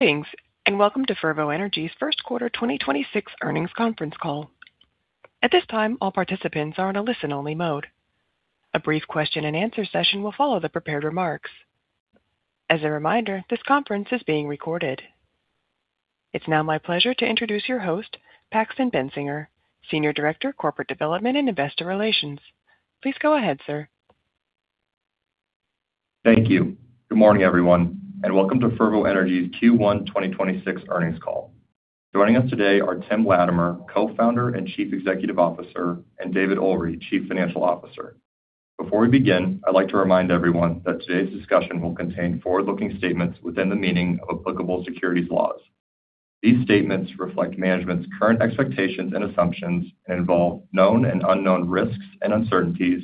Thanks. Welcome to Fervo Energy's first quarter 2026 earnings conference call. At this time, all participants are on a listen-only mode. A brief question and answer session will follow the prepared remarks. As a reminder, this conference is being recorded. It's now my pleasure to introduce your host, Paxton Bentzinger, Senior Director of Corporate Development and Investor Relations. Please go ahead, sir. Thank you. Good morning, everyone, and welcome to Fervo Energy's Q1 2026 earnings call. Joining us today are Tim Latimer, Co-founder and Chief Executive Officer, and David Ulrey, Chief Financial Officer. Before we begin, I'd like to remind everyone that today's discussion will contain forward-looking statements within the meaning of applicable securities laws. These statements reflect management's current expectations and assumptions and involve known and unknown risks and uncertainties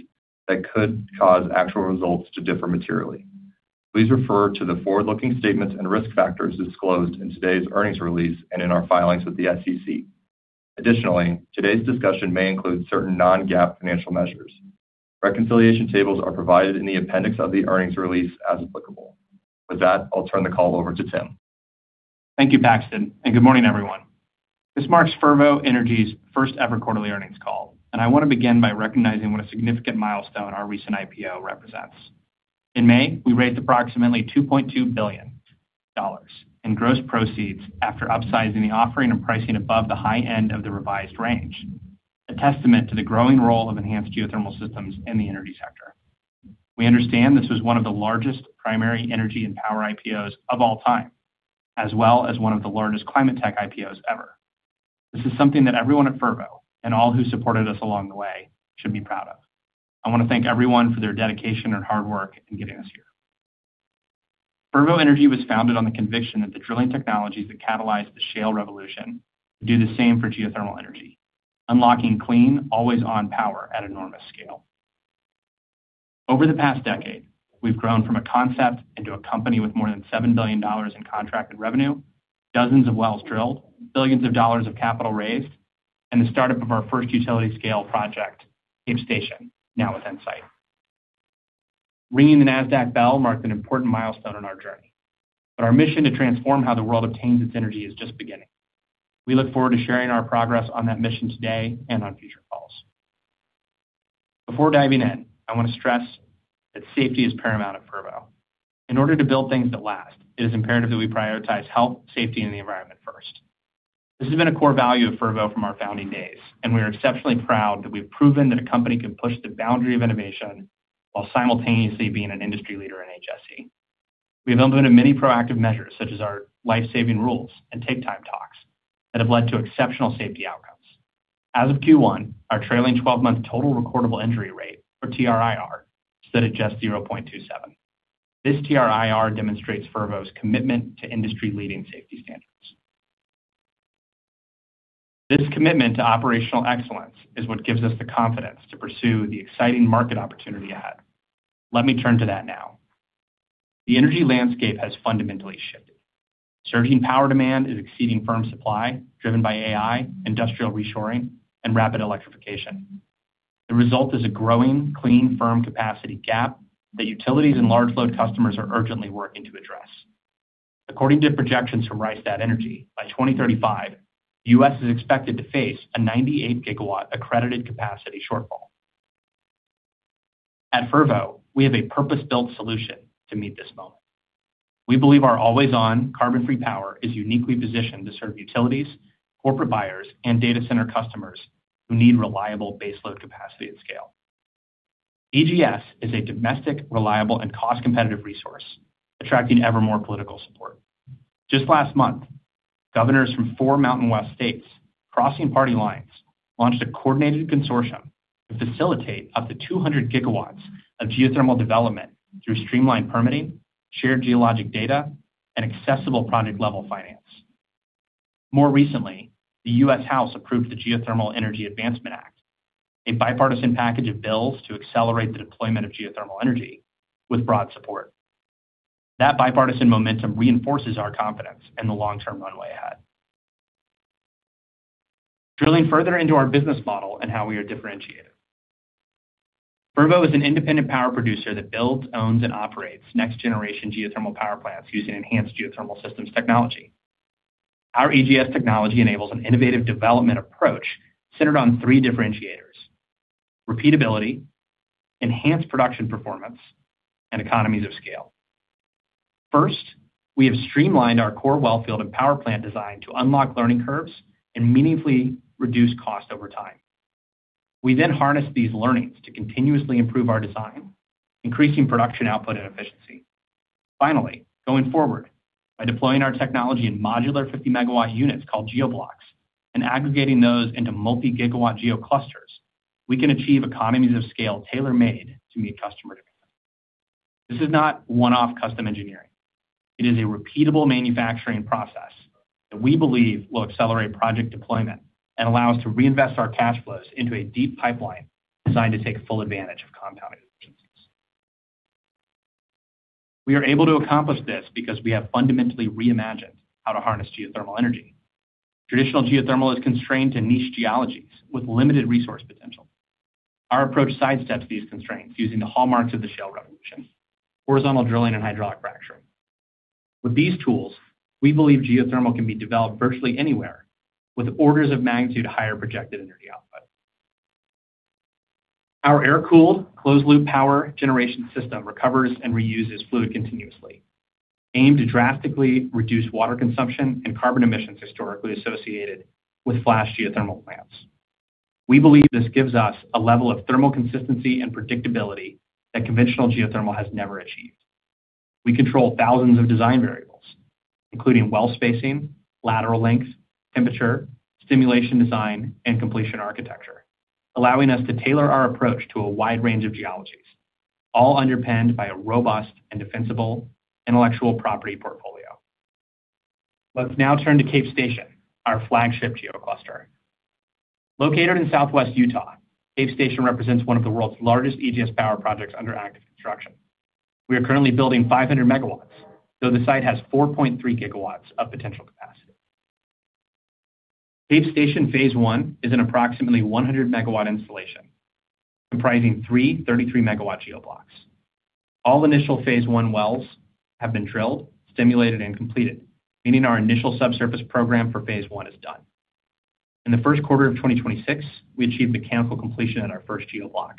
that could cause actual results to differ materially. Please refer to the forward-looking statements and risk factors disclosed in today's earnings release and in our filings with the SEC. Additionally, today's discussion may include certain non-GAAP financial measures. Reconciliation tables are provided in the appendix of the earnings release as applicable. With that, I'll turn the call over to Tim. Thank you, Paxton, and good morning, everyone. This marks Fervo Energy's first-ever quarterly earnings call. I want to begin by recognizing what a significant milestone our recent IPO represents. In May, we raised approximately $2.2 billion in gross proceeds after upsizing the offering and pricing above the high end of the revised range, a testament to the growing role of enhanced geothermal systems in the energy sector. We understand this was one of the largest primary energy and power IPOs of all time, as well as one of the largest climate tech IPOs ever. This is something that everyone at Fervo and all who supported us along the way should be proud of. I want to thank everyone for their dedication and hard work in getting us here. Fervo Energy was founded on the conviction that the drilling technologies that catalyzed the shale revolution do the same for geothermal energy, unlocking clean, always-on power at enormous scale. Over the past decade, we've grown from a concept into a company with more than $7 billion in contracted revenue, dozens of wells drilled, billions of dollars of capital raised, and the startup of our first utility-scale project, Cape Station, now within sight. Ringing the Nasdaq bell marked an important milestone on our journey. Our mission to transform how the world obtains its energy is just beginning. We look forward to sharing our progress on that mission today and on future calls. Before diving in, I want to stress that safety is paramount at Fervo. In order to build things that last, it is imperative that we prioritize health, safety, and the environment first. This has been a core value of Fervo from our founding days. We are exceptionally proud that we've proven that a company can push the boundary of innovation while simultaneously being an industry leader in HSE. We have implemented many proactive measures, such as our life-saving rules and take-time talks that have led to exceptional safety outcomes. As of Q1, our trailing 12-month total recordable injury rate for TRIR stood at just 0.27. This TRIR demonstrates Fervo's commitment to industry-leading safety standards. This commitment to operational excellence is what gives us the confidence to pursue the exciting market opportunity ahead. Let me turn to that now. The energy landscape has fundamentally shifted. Surging power demand is exceeding firm supply, driven by AI, industrial reshoring, and rapid electrification. The result is a growing clean firm capacity gap that utilities and large load customers are urgently working to address. According to projections from Rystad Energy, by 2035, the U.S. is expected to face a 98 GW accredited capacity shortfall. At Fervo, we have a purpose-built solution to meet this moment. We believe our always-on carbon-free power is uniquely positioned to serve utilities, corporate buyers, and data center customers who need reliable baseload capacity at scale. EGS is a domestic, reliable, and cost-competitive resource, attracting ever more political support. Just last month, governors from four Mountain West states, crossing party lines, launched a coordinated consortium to facilitate up to 200 GW of geothermal development through streamlined permitting, shared geologic data, and accessible project-level finance. More recently, the U.S. House approved the Geothermal Energy Advancement Act, a bipartisan package of bills to accelerate the deployment of geothermal energy with broad support. That bipartisan momentum reinforces our confidence in the long-term runway ahead. Drilling further into our business model and how we are differentiated. Fervo is an independent power producer that builds, owns, and operates next-generation geothermal power plants using enhanced geothermal systems technology. Our EGS technology enables an innovative development approach centered on three differentiators: repeatability, enhanced production performance, and economies of scale. First, we have streamlined our core well field and power plant design to unlock learning curves and meaningfully reduce cost over time. We then harness these learnings to continuously improve our design, increasing production output and efficiency. Finally, going forward, by deploying our technology in modular 50 MW units called GeoBlocks and aggregating those into multi-gigawatt GeoClusters, we can achieve economies of scale tailor-made to meet customer demands. This is not one-off custom engineering. It is a repeatable manufacturing process that we believe will accelerate project deployment and allow us to reinvest our cash flows into a deep pipeline designed to take full advantage of compounding efficiencies. We are able to accomplish this because we have fundamentally reimagined how to harness geothermal energy. Traditional geothermal is constrained to niche geologies with limited resource potential. Our approach sidesteps these constraints using the hallmarks of the shale revolution, horizontal drilling and hydraulic fracturing. With these tools, we believe geothermal can be developed virtually anywhere with orders of magnitude higher projected energy output. Our air-cooled, closed-loop power generation system recovers and reuses fluid continuously, aimed to drastically reduce water consumption and carbon emissions historically associated with flash geothermal plants. We believe this gives us a level of thermal consistency and predictability that conventional geothermal has never achieved. We control thousands of design variables, including well spacing, lateral length, temperature, stimulation design, and completion architecture, allowing us to tailor our approach to a wide range of geologies, all underpinned by a robust and defensible intellectual property portfolio. Let's now turn to Cape Station, our flagship GeoCluster. Located in southwest Utah, Cape Station represents one of the world's largest EGS power projects under active construction. We are currently building 500 MW, though the site has 4.3 GW of potential capacity. Cape Station phase I is an approximately 100 MW installation comprising three 33 MW GeoBlocks. All initial phase I wells have been drilled, stimulated, and completed, meaning our initial subsurface program for phase I is done. In the first quarter of 2026, we achieved mechanical completion at our first GeoBlock.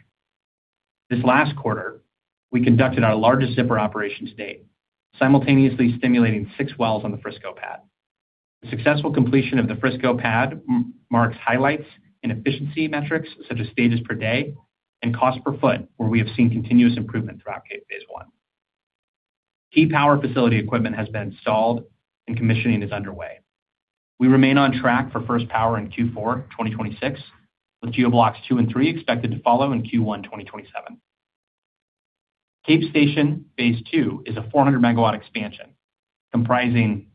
This last quarter, we conducted our largest zipper operation to date, simultaneously stimulating six wells on the Frisco pad. The successful completion of the Frisco pad marks highlights in efficiency metrics such as stages per day and cost per foot, where we have seen continuous improvement throughout Cape phase I. Key power facility equipment has been installed and commissioning is underway. We remain on track for first power in Q4 2026, with GeoBlocks 2 and 3 expected to follow in Q1 2027. Cape Station phase II is a 400 MW expansion comprising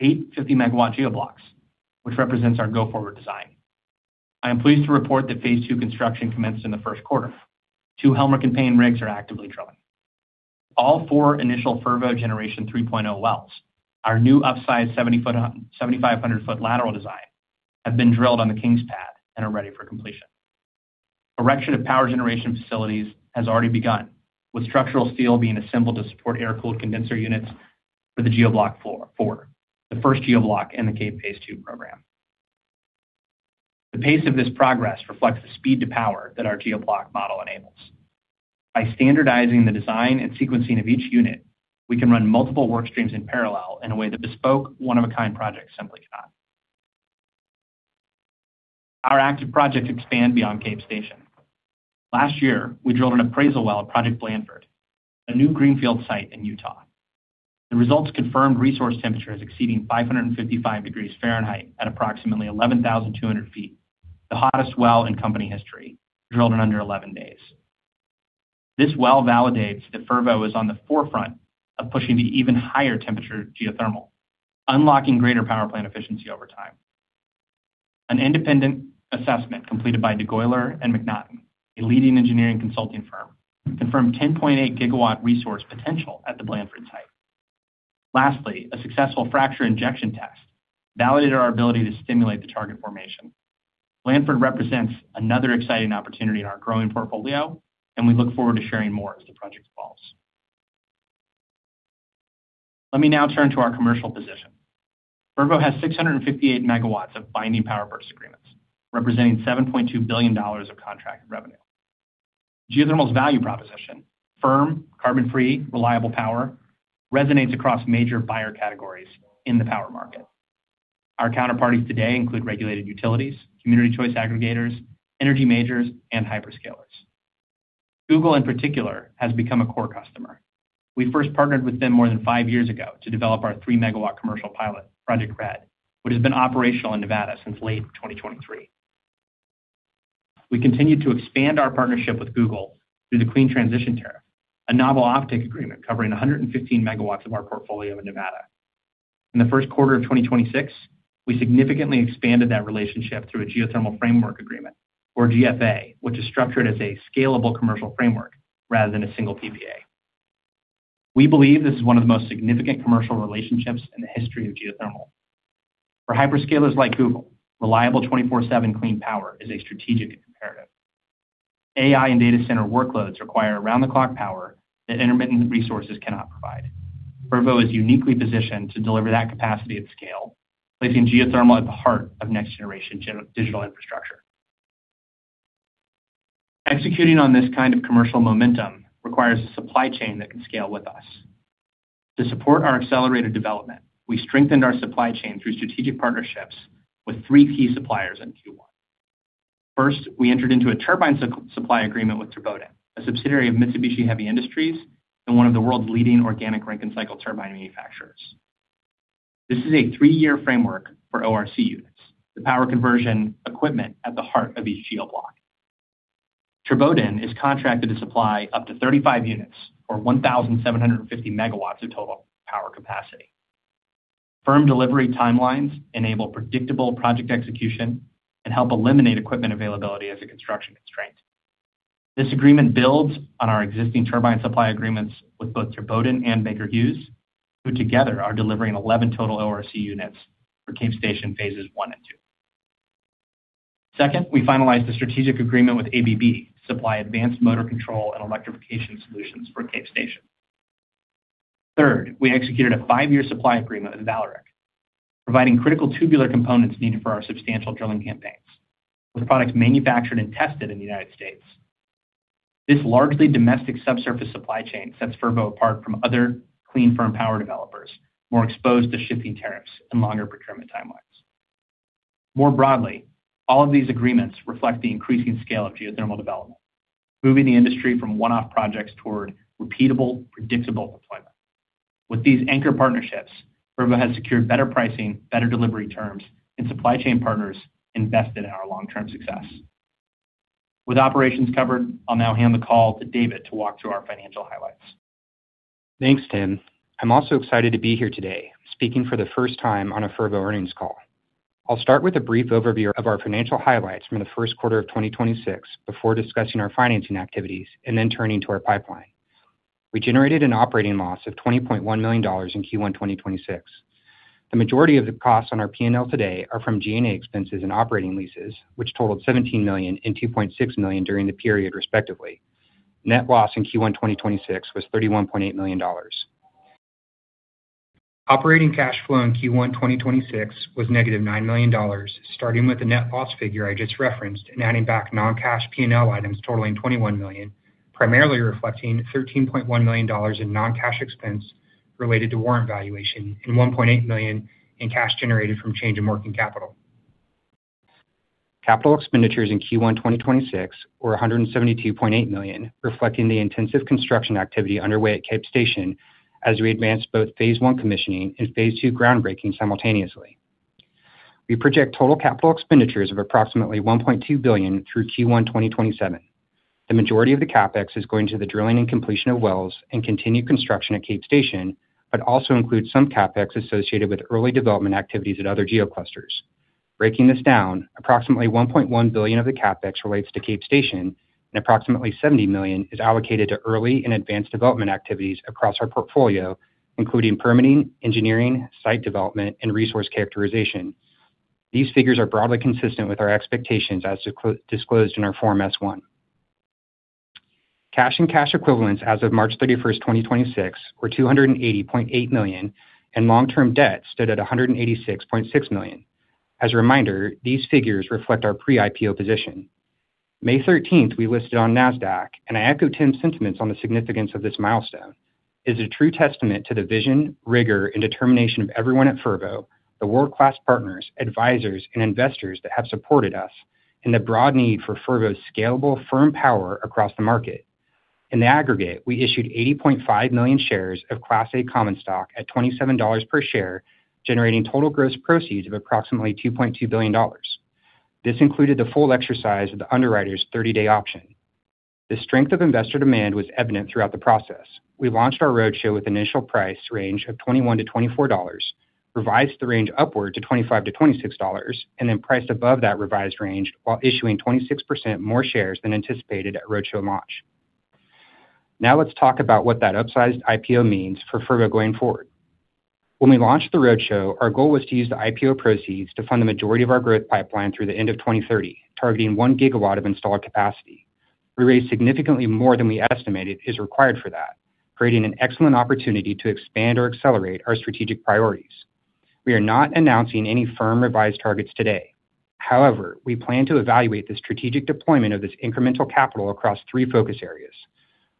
eight 50 MW GeoBlocks, which represents our go-forward design. I am pleased to report that phase II construction commenced in the first quarter. Two Helmerich & Payne rigs are actively drilling. All four initial Fervo Generation 3.0 wells, our new upsized 7,500 ft lateral design, have been drilled on the Kings pad and are ready for completion. Erection of power generation facilities has already begun, with structural steel being assembled to support air-cooled condenser units for the GeoBlock 4, the first GeoBlock in the Cape phase II program. The pace of this progress reflects the speed to power that our GeoBlock model enables. By standardizing the design and sequencing of each unit, we can run multiple work streams in parallel in a way that bespoke, one-of-a-kind projects simply cannot. Our active projects expand beyond Cape Station. Last year, we drilled an appraisal well at Project Blanford, a new greenfield site in Utah. The results confirmed resource temperatures exceeding 555 degrees Fahrenheit at approximately 11,200 ft, the hottest well in company history, drilled in under 11 days. This well validates that Fervo is on the forefront of pushing to even higher temperature geothermal, unlocking greater power plant efficiency over time. An independent assessment completed by DeGolyer and MacNaughton, a leading engineering consulting firm, confirmed 10.8 GW resource potential at the Blanford site. Lastly, a successful fracture injection test validated our ability to stimulate the target formation. Blanford represents another exciting opportunity in our growing portfolio, and we look forward to sharing more as the project evolves. Let me now turn to our commercial position. Fervo has 658 MW of binding power purchase agreements, representing $7.2 billion of contracted revenue. Geothermal's value proposition, firm, carbon-free, reliable power, resonates across major buyer categories in the power market. Our counterparties today include regulated utilities, community choice aggregators, energy majors, and hyperscalers. Google, in particular, has become a core customer. We first partnered with them more than five years ago to develop our 3 MW commercial pilot, Project Red, which has been operational in Nevada since late 2023. We continued to expand our partnership with Google through the Clean Transition Tariff, a novel offtake agreement covering 115 MW of our portfolio in Nevada. In the first quarter of 2026, we significantly expanded that relationship through a geothermal framework agreement, or GFA, which is structured as a scalable commercial framework rather than a single PPA. We believe this is one of the most significant commercial relationships in the history of geothermal. For hyperscalers like Google, reliable 24/7 clean power is a strategic imperative. AI and data center workloads require around-the-clock power that intermittent resources cannot provide. Fervo is uniquely positioned to deliver that capacity at scale, placing geothermal at the heart of next-generation digital infrastructure. Executing on this kind of commercial momentum requires a supply chain that can scale with us. To support our accelerated development, we strengthened our supply chain through strategic partnerships with three key suppliers in Q1. First, we entered into a turbine supply agreement with Turboden, a subsidiary of Mitsubishi Heavy Industries and one of the world's leading Organic Rankine Cycle turbine manufacturers. This is a three-year framework for ORC units, the power conversion equipment at the heart of each GeoBlock. Turboden is contracted to supply up to 35 units or 1,750 MW of total power capacity. Firm delivery timelines enable predictable project execution and help eliminate equipment availability as a construction constraint. This agreement builds on our existing turbine supply agreements with both Turboden and Baker Hughes, who together are delivering 11 total ORC units for Cape Station phases I and II. Second, we finalized a strategic agreement with ABB to supply advanced motor control and electrification solutions for Cape Station. Third, we executed a five-year supply agreement with Vallourec, providing critical tubular components needed for our substantial drilling campaigns, with products manufactured and tested in the United States. This largely domestic subsurface supply chain sets Fervo apart from other clean firm power developers more exposed to shipping tariffs and longer procurement timelines. More broadly, all of these agreements reflect the increasing scale of geothermal development, moving the industry from one-off projects toward repeatable, predictable deployment. With these anchor partnerships, Fervo has secured better pricing, better delivery terms, and supply chain partners invested in our long-term success. With operations covered, I'll now hand the call to David to walk through our financial highlights. Thanks, Tim. I'm also excited to be here today, speaking for the first time on a Fervo earnings call. I'll start with a brief overview of our financial highlights from the first quarter of 2026 before discussing our financing activities and then turning to our pipeline. We generated an operating loss of $20.1 million in Q1 2026. The majority of the costs on our P&L today are from G&A expenses and operating leases, which totaled $17 million and $2.6 million during the period, respectively. Net loss in Q1 2026 was $31.8 million. Operating cash flow in Q1 2026 was -$9 million, starting with the net loss figure I just referenced and adding back non-cash P&L items totaling $21 million, primarily reflecting $13.1 million in non-cash expense related to warrant valuation and $1.8 million in cash generated from change in working capital. Capital expenditures in Q1 2026 were $172.8 million, reflecting the intensive construction activity underway at Cape Station as we advanced both phase I commissioning and phase II groundbreaking simultaneously. We project total capital expenditures of approximately $1.2 billion through Q1 2027. The majority of the CapEx is going to the drilling and completion of wells and continued construction at Cape Station. Also includes some CapEx associated with early development activities at other GeoClusters. Breaking this down, approximately $1.1 billion of the CapEx relates to Cape Station, and approximately $70 million is allocated to early and advanced development activities across our portfolio, including permitting, engineering, site development, and resource characterization. These figures are broadly consistent with our expectations as disclosed in our Form S-1. Cash and cash equivalents as of March 31st, 2026, were $280.8 million, and long-term debt stood at $186.6 million. As a reminder, these figures reflect our pre-IPO position. May 13th, we listed on Nasdaq. I echo Tim's sentiments on the significance of this milestone. It is a true testament to the vision, rigor, and determination of everyone at Fervo, the world-class partners, advisors, and investors that have supported us. The broad need for Fervo's scalable firm power across the market. In the aggregate, we issued 80.5 million shares of Class A common stock at $27 per share, generating total gross proceeds of approximately $2.2 billion. This included the full exercise of the underwriter's 30-day option. The strength of investor demand was evident throughout the process. We launched our roadshow with initial price range of $21-$24, revised the range upward to $25-$26. Priced above that revised range while issuing 26% more shares than anticipated at roadshow launch. Let's talk about what that upsized IPO means for Fervo going forward. When we launched the roadshow, our goal was to use the IPO proceeds to fund the majority of our growth pipeline through the end of 2030, targeting 1 GW of installed capacity. We raised significantly more than we estimated is required for that, creating an excellent opportunity to expand or accelerate our strategic priorities. We are not announcing any firm revised targets today. However, we plan to evaluate the strategic deployment of this incremental capital across three focus areas.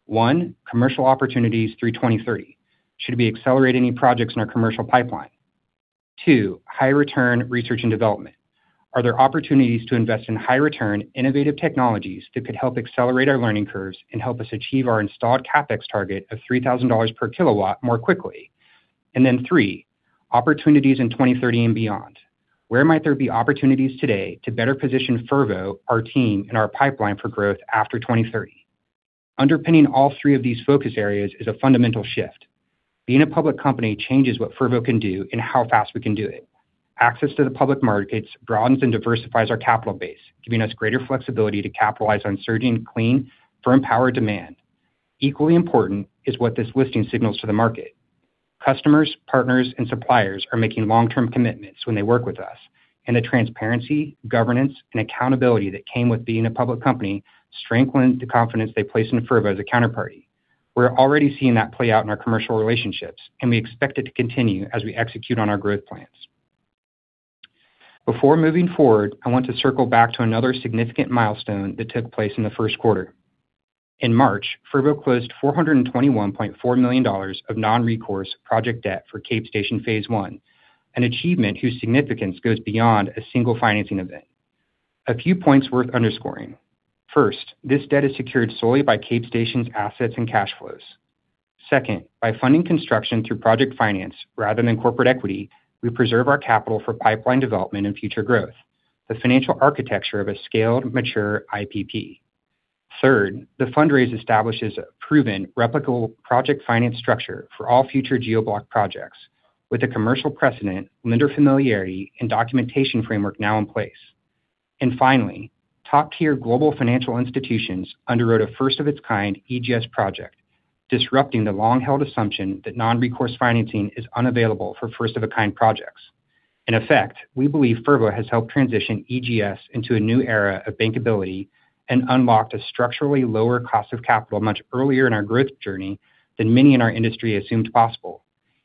One, commercial opportunities through 2030. Should we accelerate any projects in our commercial pipeline? Two, high return research and development. Are there opportunities to invest in high return, innovative technologies that could help accelerate our learning curves and help us achieve our installed CapEx target of $3,000 per kilowatt more quickly? Three, opportunities in 2030 and beyond. Where might there be opportunities today to better position Fervo, our team, and our pipeline for growth after 2030? Underpinning all three of these focus areas is a fundamental shift. Being a public company changes what Fervo can do and how fast we can do it. Access to the public markets broadens and diversifies our capital base, giving us greater flexibility to capitalize on surging clean firm power demand. Equally important is what this listing signals to the market. Customers, partners, and suppliers are making long-term commitments when they work with us. The transparency, governance, and accountability that came with being a public company strengthen the confidence they place in Fervo as a counterparty. We're already seeing that play out in our commercial relationships, and we expect it to continue as we execute on our growth plans. Before moving forward, I want to circle back to another significant milestone that took place in the first quarter. In March, Fervo closed $421.4 million of non-recourse project debt for Cape Station phase I, an achievement whose significance goes beyond a single financing event. A few points worth underscoring. First, this debt is secured solely by Cape Station's assets and cash flows. Second, by funding construction through project finance rather than corporate equity, we preserve our capital for pipeline development and future growth, the financial architecture of a scaled, mature IPP. Third, the fundraise establishes a proven, replicable project finance structure for all future GeoBlock projects. With a commercial precedent, lender familiarity, and documentation framework now in place. Finally, top-tier global financial institutions underwrote a first-of-its-kind EGS project, disrupting the long-held assumption that non-recourse financing is unavailable for first-of-a-kind projects. In effect, we believe Fervo has helped transition EGS into a new era of bankability and unlocked a structurally lower cost of capital much earlier in our growth journey than many in our industry assumed possible.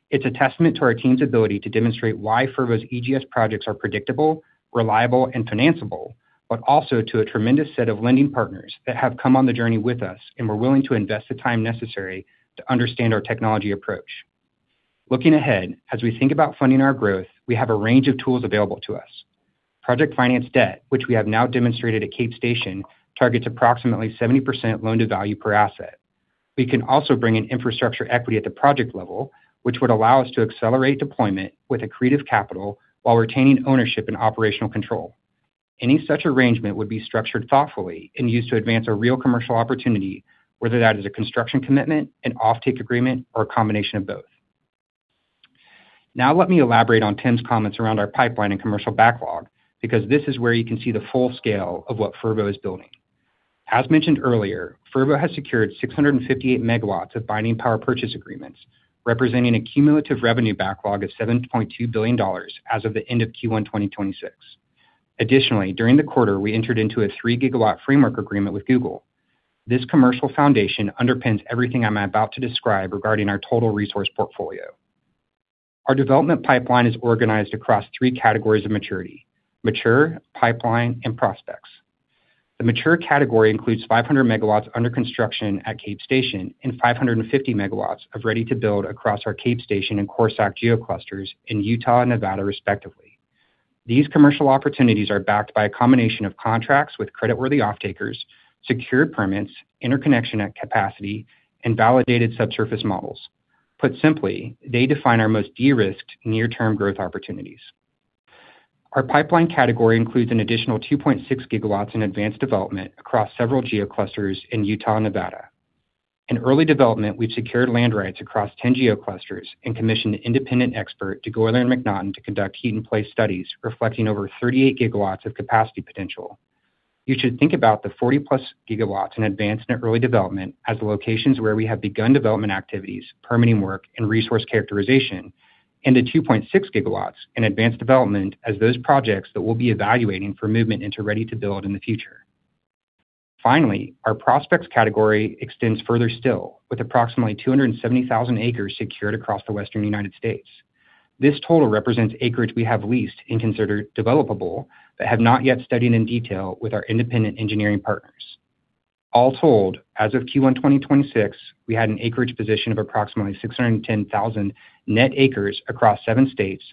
It's a testament to our team's ability to demonstrate why Fervo's EGS projects are predictable, reliable, and financeable, but also to a tremendous set of lending partners that have come on the journey with us and were willing to invest the time necessary to understand our technology approach. Looking ahead, as we think about funding our growth, we have a range of tools available to us. Project finance debt, which we have now demonstrated at Cape Station, targets approximately 70% loan-to-value per asset. We can also bring in infrastructure equity at the project level, which would allow us to accelerate deployment with accretive capital while retaining ownership and operational control. Any such arrangement would be structured thoughtfully and used to advance a real commercial opportunity, whether that is a construction commitment, an offtake agreement, or a combination of both. Now let me elaborate on Tim's comments around our pipeline and commercial backlog, because this is where you can see the full scale of what Fervo is building. As mentioned earlier, Fervo has secured 658 MW of binding power purchase agreements, representing a cumulative revenue backlog of $7.2 billion as of the end of Q1 2026. Additionally, during the quarter, we entered into a 3 GW framework agreement with Google. This commercial foundation underpins everything I'm about to describe regarding our total resource portfolio. Our development pipeline is organized across three categories of maturity: mature, pipeline, and prospects. The mature category includes 500 MW under construction at Cape Station and 550 MW of ready-to-build across our Cape Station and Corsac GeoClusters in Utah and Nevada, respectively. These commercial opportunities are backed by a combination of contracts with creditworthy offtakers, secured permits, interconnection at capacity, and validated subsurface models. Put simply, they define our most de-risked near-term growth opportunities. Our pipeline category includes an additional 2.6 GW in advanced development across several GeoClusters in Utah and Nevada. In early development, we've secured land rights across 10 GeoClusters and commissioned an independent expert, DeGolyer and MacNaughton, to conduct heat-in-place studies reflecting over 38 GW of capacity potential. You should think about the 40+ GW in advanced and early development as the locations where we have begun development activities, permitting work, and resource characterization, and the 2.6 GW in advanced development as those projects that we'll be evaluating for movement into ready-to-build in the future. Finally, our prospects category extends further still, with approximately 270,000 acres secured across the western United States. This total represents acreage we have leased and considered developable, but have not yet studied in detail with our independent engineering partners. All told, as of Q1 2026, we had an acreage position of approximately 610,000 net acres across seven states,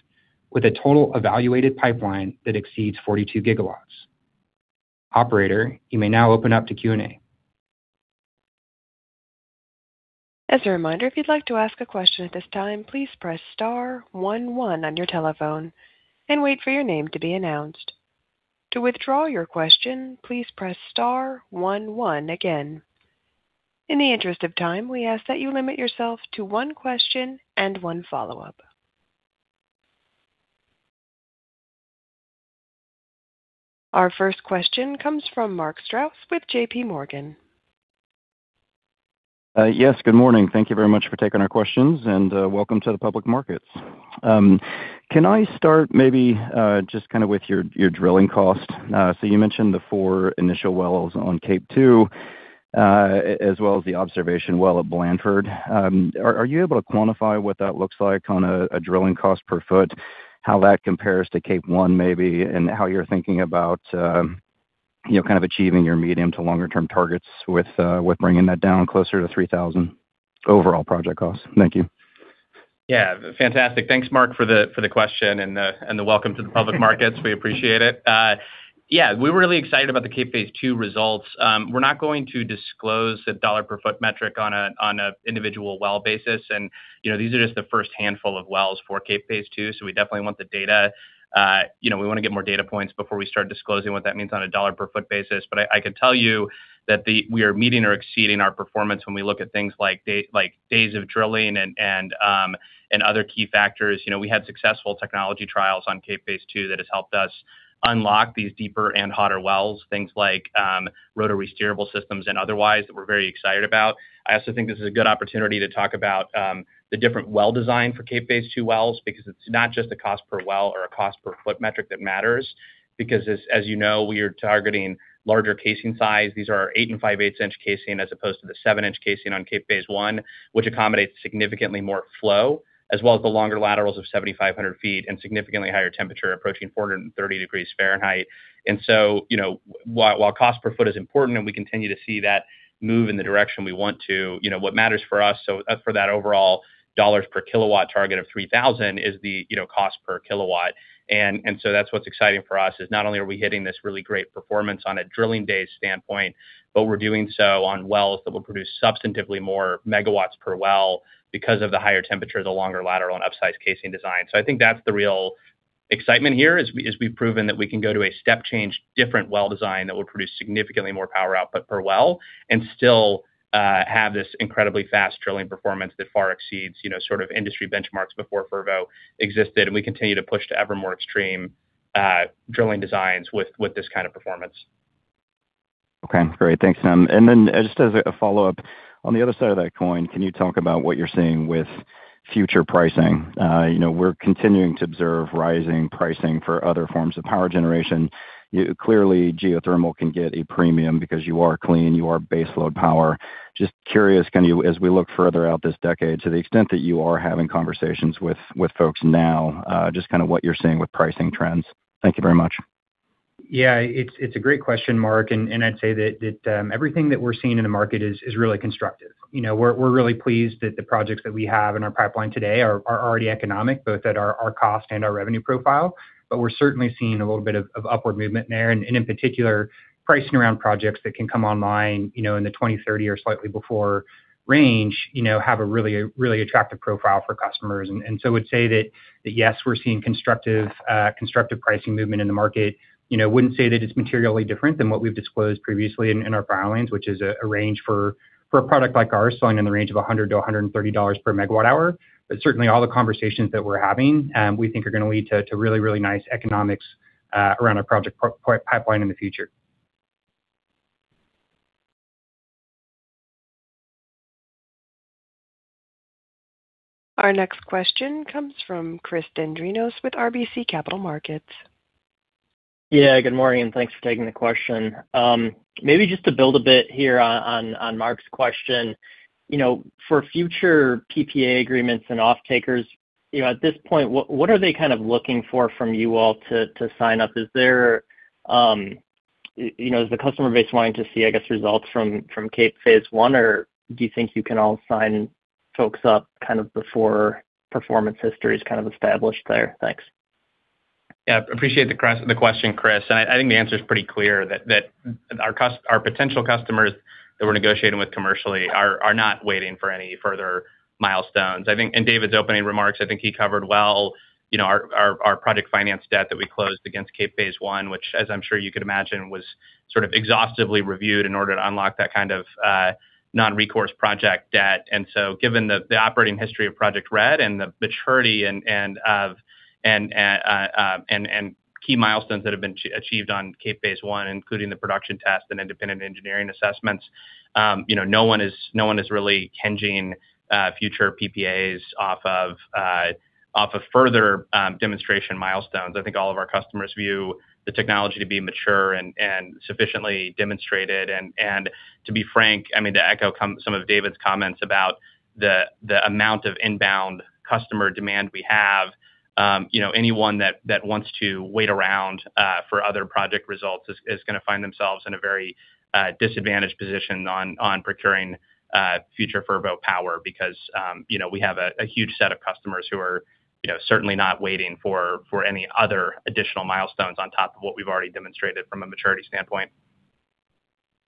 with a total evaluated pipeline that exceeds 42 GW. Operator, you may now open up to Q&A. As a reminder, if you'd like to ask a question at this time, please press star one one on your telephone and wait for your name to be announced. To withdraw your question, please press star one one again. In the interest of time, we ask that you limit yourself to one question and one follow-up. Our first question comes from Mark Strouse with JPMorgan. Yes, good morning. Thank you very much for taking our questions, and welcome to the public markets. Can I start maybe just with your drilling cost? You mentioned the four initial wells on Cape 2, as well as the observation well at Blanford. Are you able to quantify what that looks like on a drilling cost per foot, how that compares to Cape 1 maybe, and how you're thinking about achieving your medium to longer term targets with bringing that down closer to $3,000 overall project costs? Thank you. Yeah, fantastic. Thanks, Mark, for the question and the welcome to the public markets. We appreciate it. Yeah, we're really excited about the Cape phase II results. We're not going to disclose a dollar per foot metric on a individual well basis, and these are just the first handful of wells for Cape phase II, so we definitely want the data. We want to get more data points before we start disclosing what that means on a dollar per foot basis. I could tell you that we are meeting or exceeding our performance when we look at things like days of drilling and other key factors. We had successful technology trials on Cape phase II that has helped us unlock these deeper and hotter wells, things like rotary steerable systems and otherwise that we're very excited about. I also think this is a good opportunity to talk about the different well design for Cape phase II wells, because it's not just a cost per well or a cost per foot metric that matters. As you know, we are targeting larger casing size. These are our 8 in and 5/8 in casing as opposed to the 7 in casing on Cape phase I, which accommodates significantly more flow, as well as the longer laterals of 7,500 ft and significantly higher temperature approaching 430 degrees Fahrenheit. While cost per foot is important and we continue to see that move in the direction we want to, what matters for us, for that overall dollars per kilowatt target of $3,000 is the cost per kilowatt. That's what's exciting for us is not only are we hitting this really great performance on a drilling day standpoint, but we're doing so on wells that will produce substantively more megawatts per well because of the higher temperature, the longer lateral, and upsized casing design. I think that's the real excitement here is we've proven that we can go to a step change different well design that will produce significantly more power output per well and still have this incredibly fast drilling performance that far exceeds industry benchmarks before Fervo existed, and we continue to push to ever more extreme drilling designs with this kind of performance. Okay, great. Thanks, Tim. Just as a follow-up, on the other side of that coin, can you talk about what you're seeing with future pricing? We're continuing to observe rising pricing for other forms of power generation. Clearly, geothermal can get a premium because you are clean, you are baseload power. Just curious, can you, as we look further out this decade, to the extent that you are having conversations with folks now, just what you're seeing with pricing trends. Thank you very much. Yeah, it's a great question, Mark, I'd say that everything that we're seeing in the market is really constructive. We're really pleased that the projects that we have in our pipeline today are already economic, both at our cost and our revenue profile. We're certainly seeing a little bit of upward movement there, and in particular, pricing around projects that can come online in the 2030 or slightly before range have a really attractive profile for customers. I would say that, yes, we're seeing constructive pricing movement in the market. Wouldn't say that it's materially different than what we've disclosed previously in our filings, which is a range for a product like ours falling in the range of $100-$130 per megawatt hour. Certainly, all the conversations that we're having, we think are going to lead to really, really nice economics around our project pipeline in the future. Our next question comes from Chris Dendrinos with RBC Capital Markets. Yeah, good morning, thanks for taking the question. Maybe just to build a bit here on Mark's question. For future PPA agreements and off-takers, at this point, what are they looking for from you all to sign up? Is the customer base wanting to see, I guess, results from Cape phase I? Or do you think you can all sign folks up before performance history is established there? Thanks. Yeah, appreciate the question, Chris. I think the answer's pretty clear that our potential customers that we're negotiating with commercially are not waiting for any further milestones. I think in David's opening remarks, I think he covered well our project finance debt that we closed against Cape phase I, which as I'm sure you could imagine, was sort of exhaustively reviewed in order to unlock that kind of non-recourse project debt. Given the operating history of Project Red and the maturity and key milestones that have been achieved on Cape phase I, including the production test and independent engineering assessments, no one is really hedging future PPAs off of further demonstration milestones. I think all of our customers view the technology to be mature and sufficiently demonstrated. To be frank, I mean, to echo some of David's comments about the amount of inbound customer demand we have, anyone that wants to wait around for other project results is going to find themselves in a very disadvantaged position on procuring future Fervo power because we have a huge set of customers who are certainly not waiting for any other additional milestones on top of what we've already demonstrated from a maturity standpoint.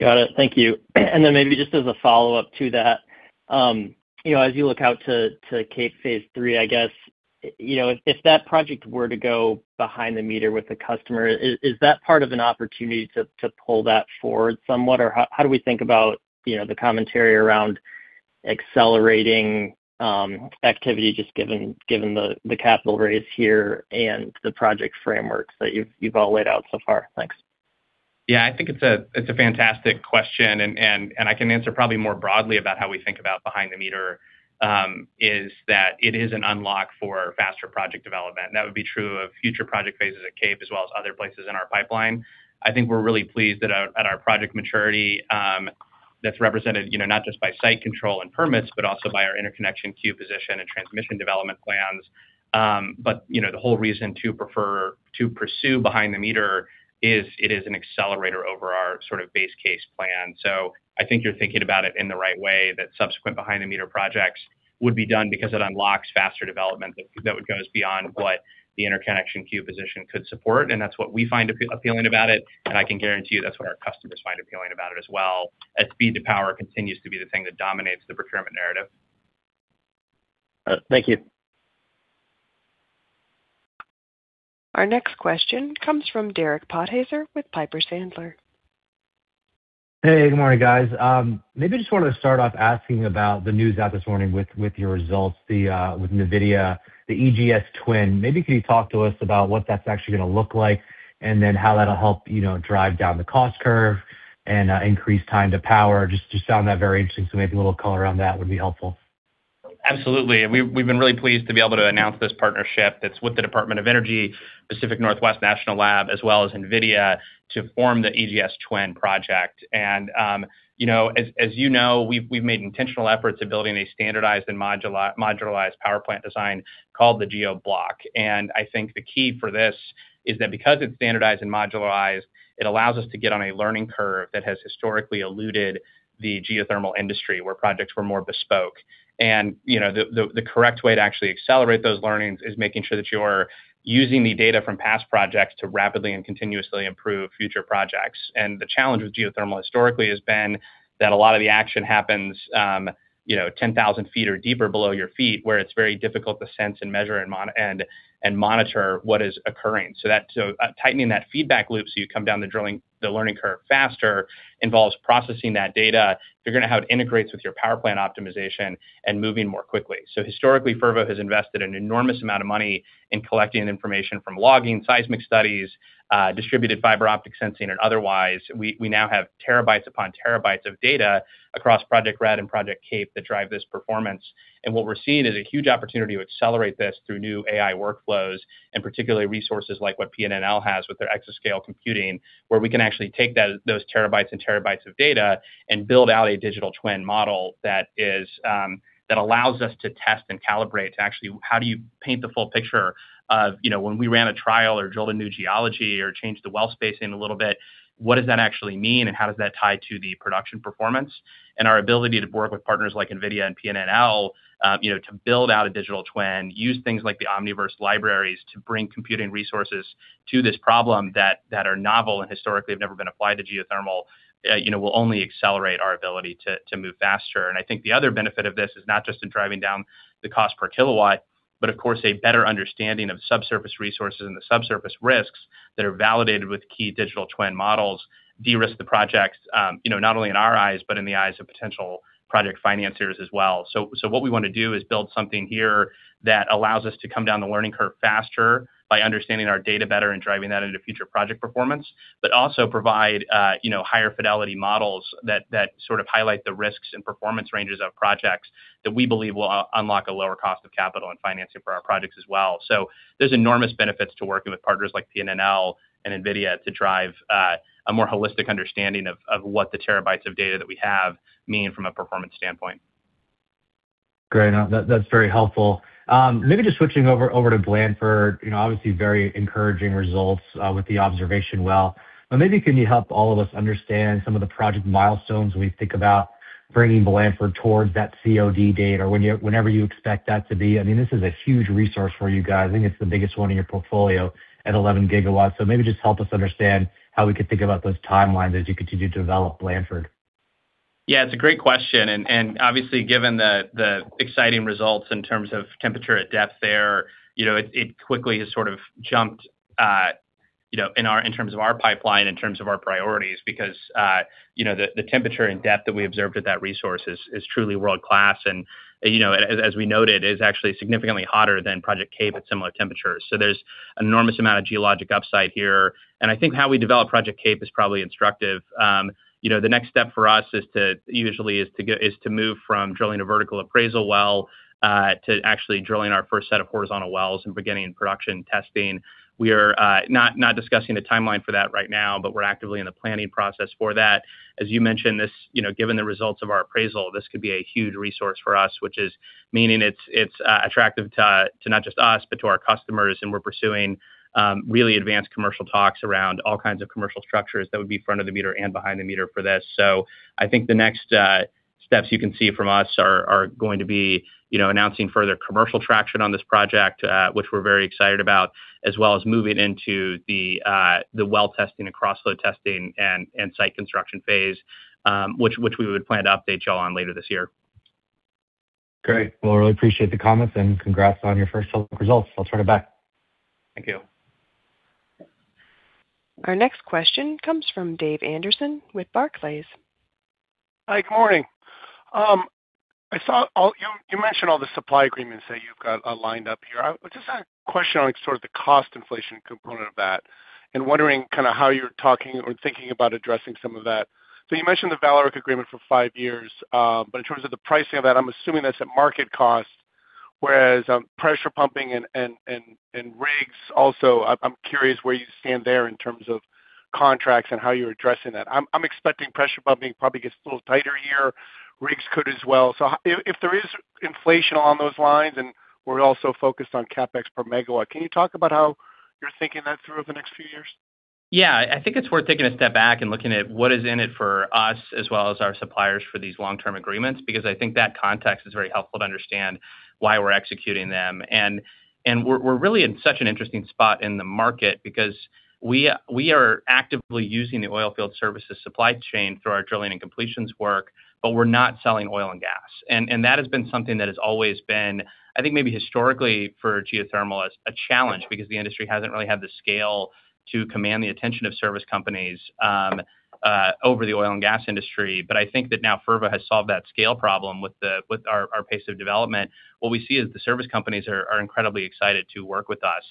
Got it. Thank you. Maybe just as a follow-up to that, as you look out to Cape phase III, I guess, if that project were to go behind the meter with the customer, is that part of an opportunity to pull that forward somewhat? Or how do we think about the commentary around accelerating activity, just given the capital raise here and the project frameworks that you've all laid out so far? Thanks. Yeah, I think it's a fantastic question. I can answer probably more broadly about how we think about behind the meter, is that it is an unlock for faster project development. That would be true of future project phases at Cape as well as other places in our pipeline. The whole reason to prefer to pursue behind the meter is it is an accelerator over our base case plan. I think you're thinking about it in the right way, that subsequent behind the meter projects would be done because it unlocks faster development that goes beyond what the interconnection queue position could support, and that's what we find appealing about it, and I can guarantee you that's what our customers find appealing about it as well as speed to power continues to be the thing that dominates the procurement narrative. Thank you. Our next question comes from Derek Podhaizer with Piper Sandler. Hey, good morning, guys. Just wanted to start off asking about the news out this morning with your results with NVIDIA, the EGS-Twin. Can you talk to us about what that's actually going to look like, and then how that'll help drive down the cost curve and increase time to power? Just found that very interesting, so maybe a little color on that would be helpful. Absolutely. We've been really pleased to be able to announce this partnership that's with the Department of Energy, Pacific Northwest National Lab, as well as NVIDIA, to form the EGS-Twin Project. As you know, we've made intentional efforts at building a standardized and modularized power plant design called the GeoBlock. I think the key for this is that because it's standardized and modularized, it allows us to get on a learning curve that has historically eluded the geothermal industry, where projects were more bespoke. The correct way to actually accelerate those learnings is making sure that you're using the data from past projects to rapidly and continuously improve future projects. The challenge with geothermal historically has been that a lot of the action happens 10,000 ft or deeper below your feet, where it's very difficult to sense and measure and monitor what is occurring. Tightening that feedback loop so you come down the learning curve faster involves processing that data, figuring out how it integrates with your power plant optimization and moving more quickly. Historically, Fervo has invested an enormous amount of money in collecting information from logging, seismic studies, distributed fiber optic sensing, and otherwise. We now have terabytes upon terabytes of data across Project Red and Project Cape that drive this performance. What we're seeing is a huge opportunity to accelerate this through new AI workflows, and particularly resources like what PNNL has with their exascale computing, where we can actually take those terabytes and terabytes of data and build out a digital twin model that allows us to test and calibrate to actually how do you paint the full picture of when we ran a trial or drilled a new geology or changed the well spacing a little bit, what does that actually mean and how does that tie to the production performance? Our ability to work with partners like NVIDIA and PNNL to build out a digital twin, use things like the Omniverse libraries to bring computing resources to this problem that are novel and historically have never been applied to geothermal will only accelerate our ability to move faster. I think the other benefit of this is not just in driving down the cost per kilowatt, but of course a better understanding of subsurface resources and the subsurface risks that are validated with key digital twin models, de-risk the projects, not only in our eyes, but in the eyes of potential project financiers as well. What we want to do is build something here that allows us to come down the learning curve faster by understanding our data better and driving that into future project performance, but also provide higher fidelity models that highlight the risks and performance ranges of projects that we believe will unlock a lower cost of capital and financing for our projects as well. There's enormous benefits to working with partners like PNNL and NVIDIA to drive a more holistic understanding of what the terabytes of data that we have mean from a performance standpoint. Great. That's very helpful. Maybe just switching over to Blanford, obviously very encouraging results with the observation well. Maybe can you help all of us understand some of the project milestones when we think about bringing Blanford towards that COD date or whenever you expect that to be? This is a huge resource for you guys. I think it's the biggest one in your portfolio at 11 GW. Maybe just help us understand how we could think about those timelines as you continue to develop Blanford. Yeah, it's a great question. Obviously given the exciting results in terms of temperature at depth there, it quickly has jumped in terms of our pipeline, in terms of our priorities, because the temperature and depth that we observed at that resource is truly world-class. As we noted, is actually significantly hotter than Project Cape at similar temperatures. There's an enormous amount of geologic upside here. I think how we develop Project Cape is probably instructive. The next step for us usually is to move from drilling a vertical appraisal well to actually drilling our first set of horizontal wells and beginning production testing. We are not discussing the timeline for that right now, but we're actively in the planning process for that. As you mentioned, given the results of our appraisal, this could be a huge resource for us, which is meaning it's attractive to not just us, but to our customers, and we're pursuing really advanced commercial talks around all kinds of commercial structures that would be front of the meter and behind the meter for this. I think the next steps you can see from us are going to be announcing further commercial traction on this project, which we're very excited about, as well as moving into the well testing and cross-flow testing and site construction phase, which we would plan to update you all on later this year. Great. Well, I really appreciate the comments, and congrats on your first set of results. I'll turn it back. Thank you. Our next question comes from Dave Anderson with Barclays. Hi, good morning. You mentioned all the supply agreements that you've got lined up here. I just had a question on the cost inflation component of that and wondering how you're talking or thinking about addressing some of that. You mentioned the Vallourec agreement for five years, but in terms of the pricing of that, I'm assuming that's at market cost, whereas pressure pumping and rigs also, I'm curious where you stand there in terms of contracts and how you're addressing that. I'm expecting pressure pumping probably gets a little tighter here. Rigs could as well. If there is inflation along those lines, and we're also focused on CapEx per megawatt, can you talk about how you're thinking that through over the next few years? Yeah, I think it's worth taking a step back and looking at what is in it for us as well as our suppliers for these long-term agreements, because I think that context is very helpful to understand why we're executing them. We're really in such an interesting spot in the market because we are actively using the oil field services supply chain through our drilling and completions work, but we're not selling oil and gas. That has been something that has always been, I think, maybe historically for geothermal, as a challenge because the industry hasn't really had the scale to command the attention of service companies over the oil and gas industry. I think that now Fervo has solved that scale problem with our pace of development. What we see is the service companies are incredibly excited to work with us.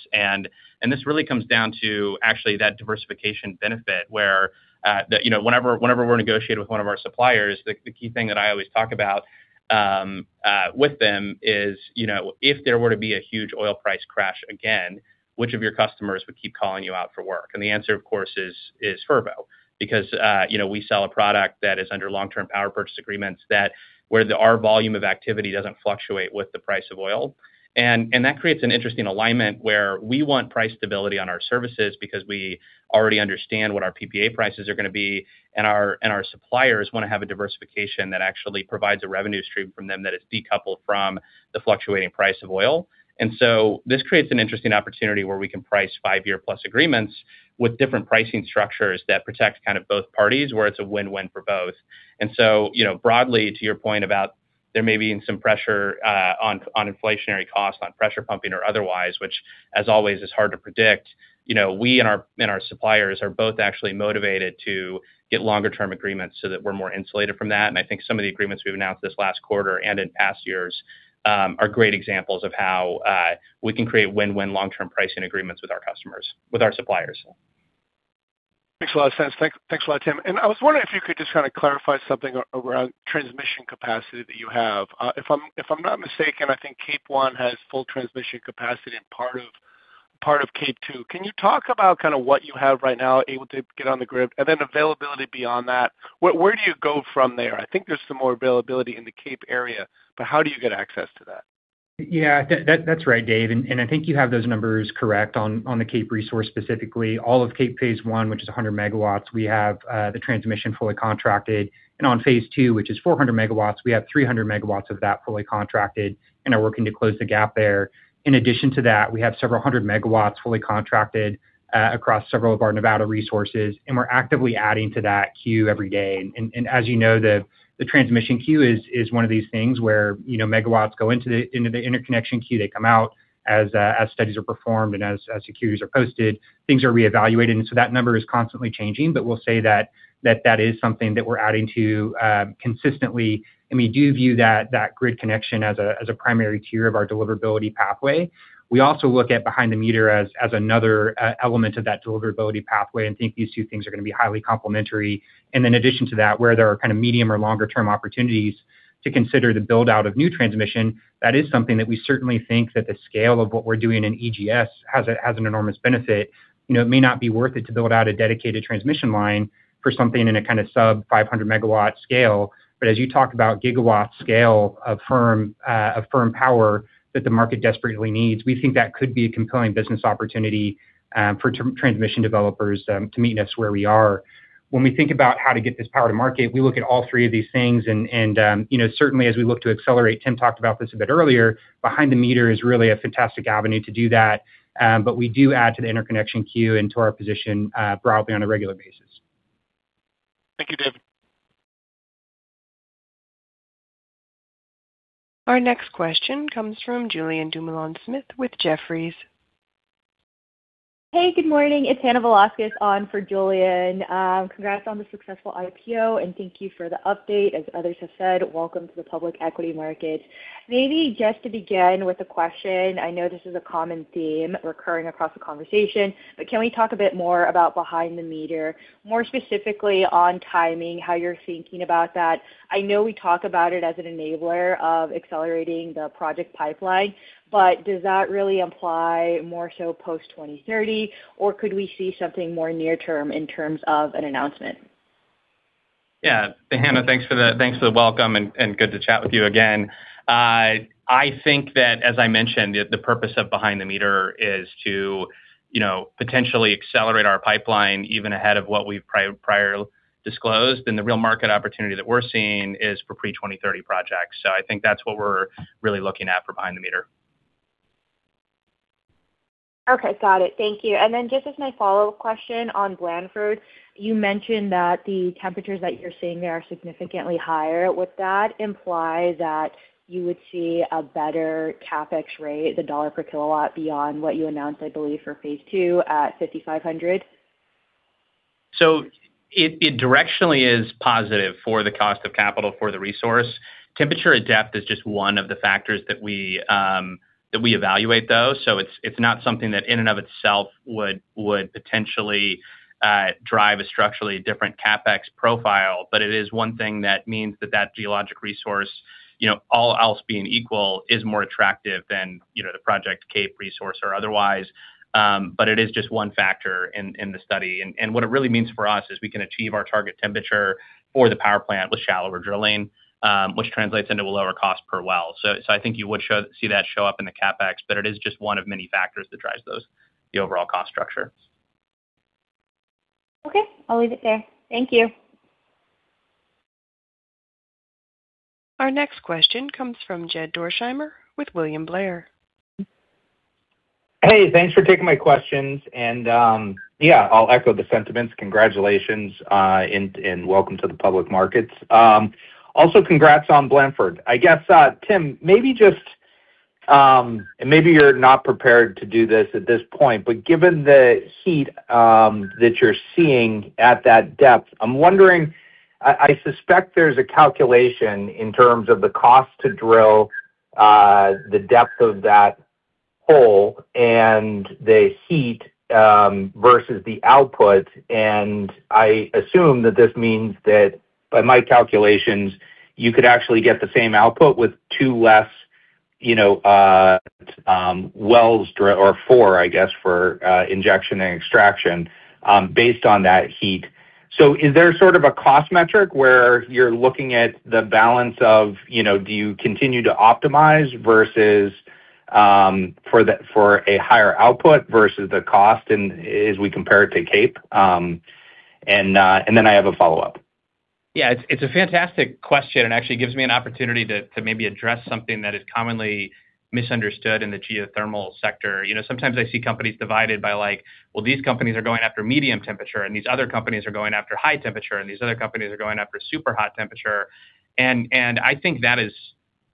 This really comes down to actually that diversification benefit where whenever we negotiate with one of our suppliers, the key thing that I always talk about with them is, if there were to be a huge oil price crash again, which of your customers would keep calling you out for work? The answer, of course, is Fervo, because we sell a product that is under long-term power purchase agreements, where our volume of activity doesn't fluctuate with the price of oil. That creates an interesting alignment where we want price stability on our services because we already understand what our PPA prices are going to be, and our suppliers want to have a diversification that actually provides a revenue stream from them that is decoupled from the fluctuating price of oil. This creates an interesting opportunity where we can price five-year-plus agreements with different pricing structures that protect both parties, where it's a win-win for both. Broadly to your point about there may being some pressure on inflationary costs, on pressure pumping or otherwise, which as always is hard to predict. We and our suppliers are both actually motivated to get longer term agreements so that we're more insulated from that. I think some of the agreements we've announced this last quarter and in past years, are great examples of how we can create win-win long-term pricing agreements with our suppliers. Makes a lot of sense. Thanks a lot, Tim. I was wondering if you could just clarify something around transmission capacity that you have. If I'm not mistaken, I think Cape 1 has full transmission capacity and part of Cape 2. Can you talk about what you have right now able to get on the grid, and then availability beyond that? Where do you go from there? I think there's some more availability in the Cape area, how do you get access to that? That's right, David. I think you have those numbers correct on the Cape resource specifically. All of Cape phase I, which is 100 MW, we have the transmission fully contracted. On phase II, which is 400 MW, we have 300 MW of that fully contracted and are working to close the gap there. In addition to that, we have several hundred megawatts fully contracted across several of our Nevada resources, and we're actively adding to that queue every day. As you know, the transmission queue is one of these things where megawatts go into the interconnection queue. They come out as studies are performed and as securities are posted, things are reevaluated, so that number is constantly changing. We'll say that is something that we're adding to consistently, and we do view that grid connection as a primary tier of our deliverability pathway. We also look at behind the meter as another element of that deliverability pathway and think these two things are going to be highly complementary. In addition to that, where there are medium or longer term opportunities to consider the build-out of new transmission, that is something that we certainly think that the scale of what we're doing in EGS has an enormous benefit. It may not be worth it to build out a dedicated transmission line for something in a sub 500 MW scale, as you talk about gigawatt scale of firm power that the market desperately needs, we think that could be a compelling business opportunity for transmission developers to meet us where we are. When we think about how to get this power to market, we look at all three of these things and certainly as we look to accelerate, Tim talked about this a bit earlier, behind the meter is really a fantastic avenue to do that. We do add to the interconnection queue and to our position broadly on a regular basis. Thank you, David. Our next question comes from Julien Dumoulin-Smith with Jefferies. Hey, good morning. It's Hannah Velásquez on for Julien. Congrats on the successful IPO and thank you for the update. As others have said, welcome to the public equity market. Can we talk a bit more about behind the meter, more specifically on timing, how you're thinking about that? I know we talk about it as an enabler of accelerating the project pipeline, does that really imply more so post-2030, or could we see something more near term in terms of an announcement? Yeah. Hannah, thanks for the welcome and good to chat with you again. I think that, as I mentioned, the purpose of behind the meter is to potentially accelerate our pipeline even ahead of what we've prior disclosed. The real market opportunity that we're seeing is for pre-2030 projects. I think that's what we're really looking at for behind the meter. Okay, got it. Thank you. Just as my follow-up question on Blanford, you mentioned that the temperatures that you're seeing there are significantly higher. Would that imply that you would see a better CapEx rate, the dollar per kilowatt beyond what you announced, I believe, for phase II at 5,500? It directionally is positive for the cost of capital for the resource. Temperature at depth is just one of the factors that we evaluate, though. It's not something that in and of itself would potentially drive a structurally different CapEx profile. It is one thing that means that geologic resource, all else being equal, is more attractive than the Project Cape resource or otherwise. It is just one factor in the study. What it really means for us is we can achieve our target temperature for the power plant with shallower drilling, which translates into a lower cost per well. I think you would see that show up in the CapEx, but it is just one of many factors that drives the overall cost structure. Okay, I'll leave it there. Thank you. Our next question comes from Jed Dorsheimer with William Blair. Hey, thanks for taking my questions. Yeah, I'll echo the sentiments. Congratulations, welcome to the public markets. Also, congrats on Blanford. I guess, Tim, maybe you're not prepared to do this at this point, but given the heat that you're seeing at that depth, I suspect there's a calculation in terms of the cost to drill the depth of that hole and the heat versus the output. I assume that this means that by my calculations, you could actually get the same output with two less wells drilled or four, I guess, for injection and extraction based on that heat. Is there a cost metric where you're looking at the balance of, do you continue to optimize for a higher output versus the cost and as we compare it to Cape? Then I have a follow-up. Yeah, it's a fantastic question. Actually, it gives me an opportunity to maybe address something that is commonly misunderstood in the geothermal sector. Sometimes I see companies divided by like, well, these companies are going after medium temperature, these other companies are going after high temperature, these other companies are going after super hot temperature. I think that is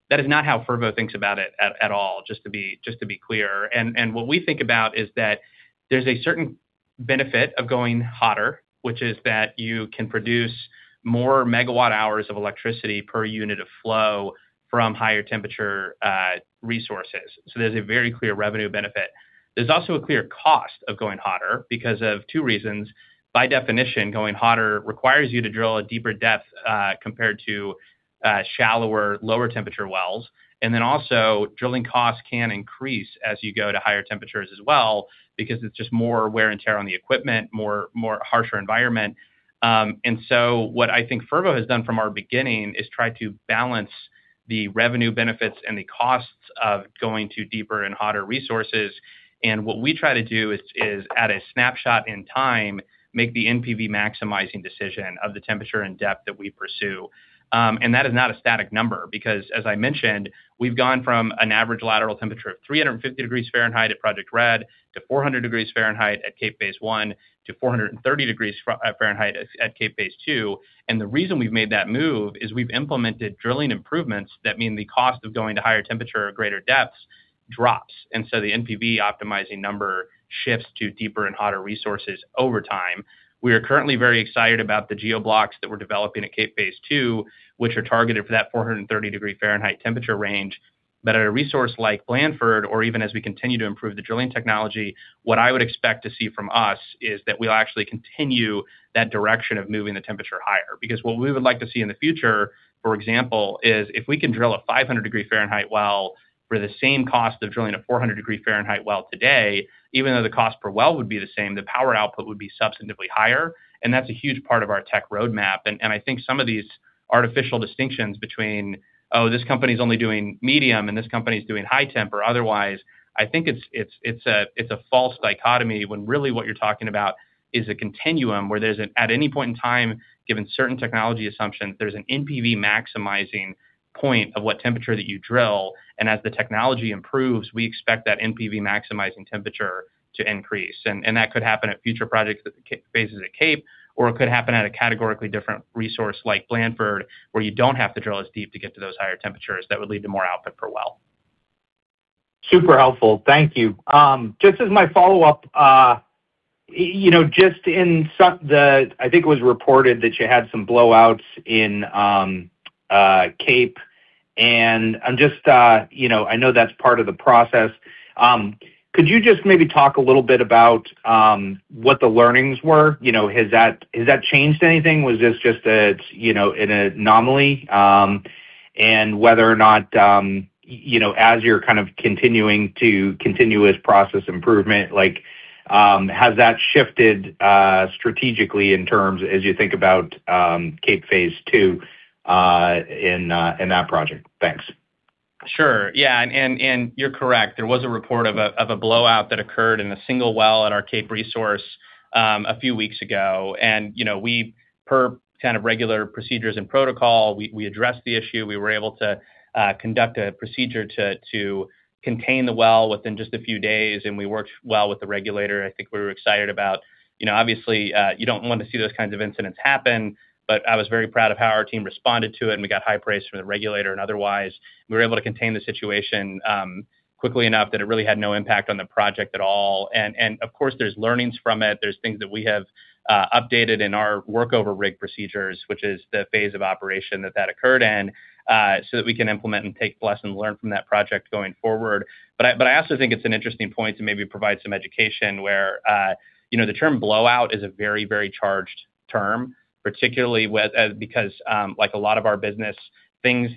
not how Fervo thinks about it at all, just to be clear. What we think about is that there's a certain benefit of going hotter, which is that you can produce more megawatt hours of electricity per unit of flow from higher temperature resources. There's a very clear revenue benefit. There's also a clear cost of going hotter because of two reasons. By definition, going hotter requires you to drill a deeper depth compared to shallower, lower temperature wells. Also, drilling costs can increase as you go to higher temperatures as well because it's just more wear and tear on the equipment, harsher environment. What I think Fervo has done from our beginning is try to balance the revenue benefits and the costs of going to deeper and hotter resources. What we try to do is at a snapshot in time, make the NPV maximizing decision of the temperature and depth that we pursue. That is not a static number because, as I mentioned, we've gone from an average lateral temperature of 350 degrees Fahrenheit at Project Red to 400 degrees Fahrenheit at Cape phase I to 430 degrees Fahrenheit at Cape phase II. The reason we've made that move is we've implemented drilling improvements that mean the cost of going to higher temperature or greater depths drops. The NPV optimizing number shifts to deeper and hotter resources over time. We are currently very excited about the GeoBlocks that we're developing at Cape phase II, which are targeted for that 430-degree Fahrenheit temperature range. At a resource like Blanford, or even as we continue to improve the drilling technology, what I would expect to see from us is that we'll actually continue that direction of moving the temperature higher. What we would like to see in the future, for example, is if we can drill a 500-degree Fahrenheit well for the same cost of drilling a 400-degree Fahrenheit well today, even though the cost per well would be the same, the power output would be substantively higher, that's a huge part of our tech roadmap. I think some of these artificial distinctions between, oh, this company's only doing medium and this company's doing high temp or otherwise, I think it's a false dichotomy when really what you're talking about is a continuum where there's an, at any point in time, given certain technology assumptions, there's an NPV maximizing point of what temperature that you drill. As the technology improves, we expect that NPV maximizing temperature to increase. That could happen at future projects at the phases at Cape, or it could happen at a categorically different resource like Blanford, where you don't have to drill as deep to get to those higher temperatures that would lead to more output per well. Super helpful. Thank you. Just as my follow-up, I think it was reported that you had some blowouts in Cape, and I know that's part of the process. Could you just maybe talk a little bit about what the learnings were? Has that changed anything? Was this just an anomaly? Whether or not as you're continuing to continuous process improvement, has that shifted strategically in terms as you think about Cape phase II in that project? Thanks. Sure. Yeah, you're correct. There was a report of a blowout that occurred in a single well at our Cape resource a few weeks ago. Per regular procedures and protocol, we addressed the issue. We were able to conduct a procedure to contain the well within just a few days, and we worked well with the regulator. I think we were excited about, obviously, you don't want to see those kinds of incidents happen, but I was very proud of how our team responded to it, and we got high praise from the regulator and otherwise. We were able to contain the situation quickly enough that it really had no impact on the project at all. Of course, there's learnings from it. There's things that we have updated in our work over rig procedures, which is the phase of operation that occurred in, so that we can implement and take lesson learned from that project going forward. I also think it's an interesting point to maybe provide some education where the term blowout is a very charged term, particularly because like a lot of our business things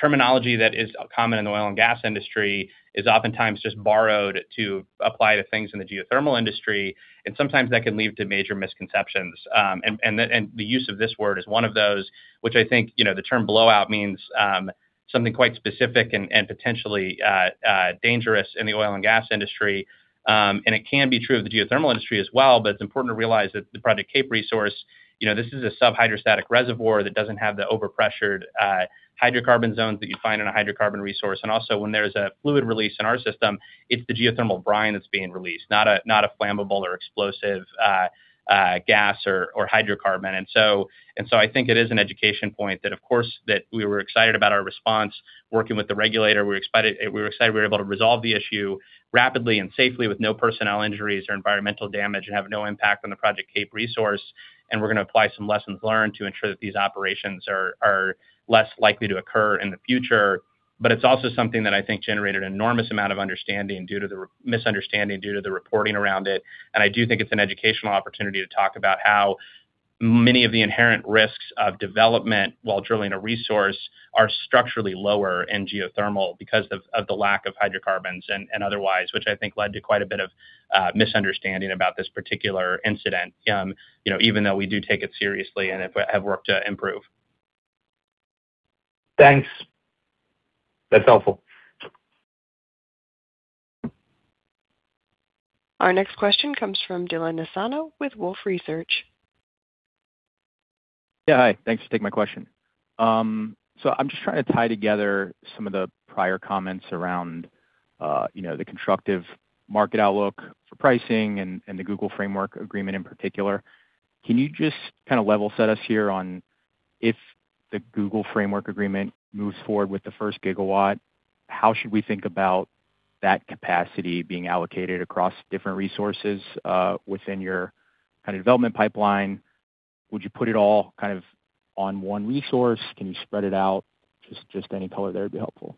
terminology that is common in the oil and gas industry is oftentimes just borrowed to apply to things in the geothermal industry, and sometimes that can lead to major misconceptions. The use of this word is one of those, which I think the term blowout means something quite specific and potentially dangerous in the oil and gas industry. It can be true of the geothermal industry as well, but it's important to realize that the Project Cape resource, this is a sub-hydrostatic reservoir that doesn't have the over-pressured hydrocarbon zones that you'd find in a hydrocarbon resource. Also when there's a fluid release in our system, it's the geothermal brine that's being released, not a flammable or explosive gas or hydrocarbon. I think it is an education point that, of course, that we were excited about our response working with the regulator. We were excited we were able to resolve the issue rapidly and safely with no personnel injuries or environmental damage and have no impact on the Project Cape resource. We're going to apply some lessons learned to ensure that these operations are less likely to occur in the future. It's also something that I think generated an enormous amount of misunderstanding due to the reporting around it. I do think it's an educational opportunity to talk about how many of the inherent risks of development while drilling a resource are structurally lower in geothermal because of the lack of hydrocarbons and otherwise, which I think led to quite a bit of misunderstanding about this particular incident, even though we do take it seriously and have worked to improve. Thanks. That's helpful. Our next question comes from Dylan Nassano with Wolfe Research. Yeah, hi. Thanks for taking my question. I'm just trying to tie together some of the prior comments around the constructive market outlook for pricing and the Google framework agreement in particular. Can you just level set us here on if the Google framework agreement moves forward with the first gigawatt, how should we think about that capacity being allocated across different resources within your development pipeline? Would you put it all on one resource? Can you spread it out? Just any color there would be helpful.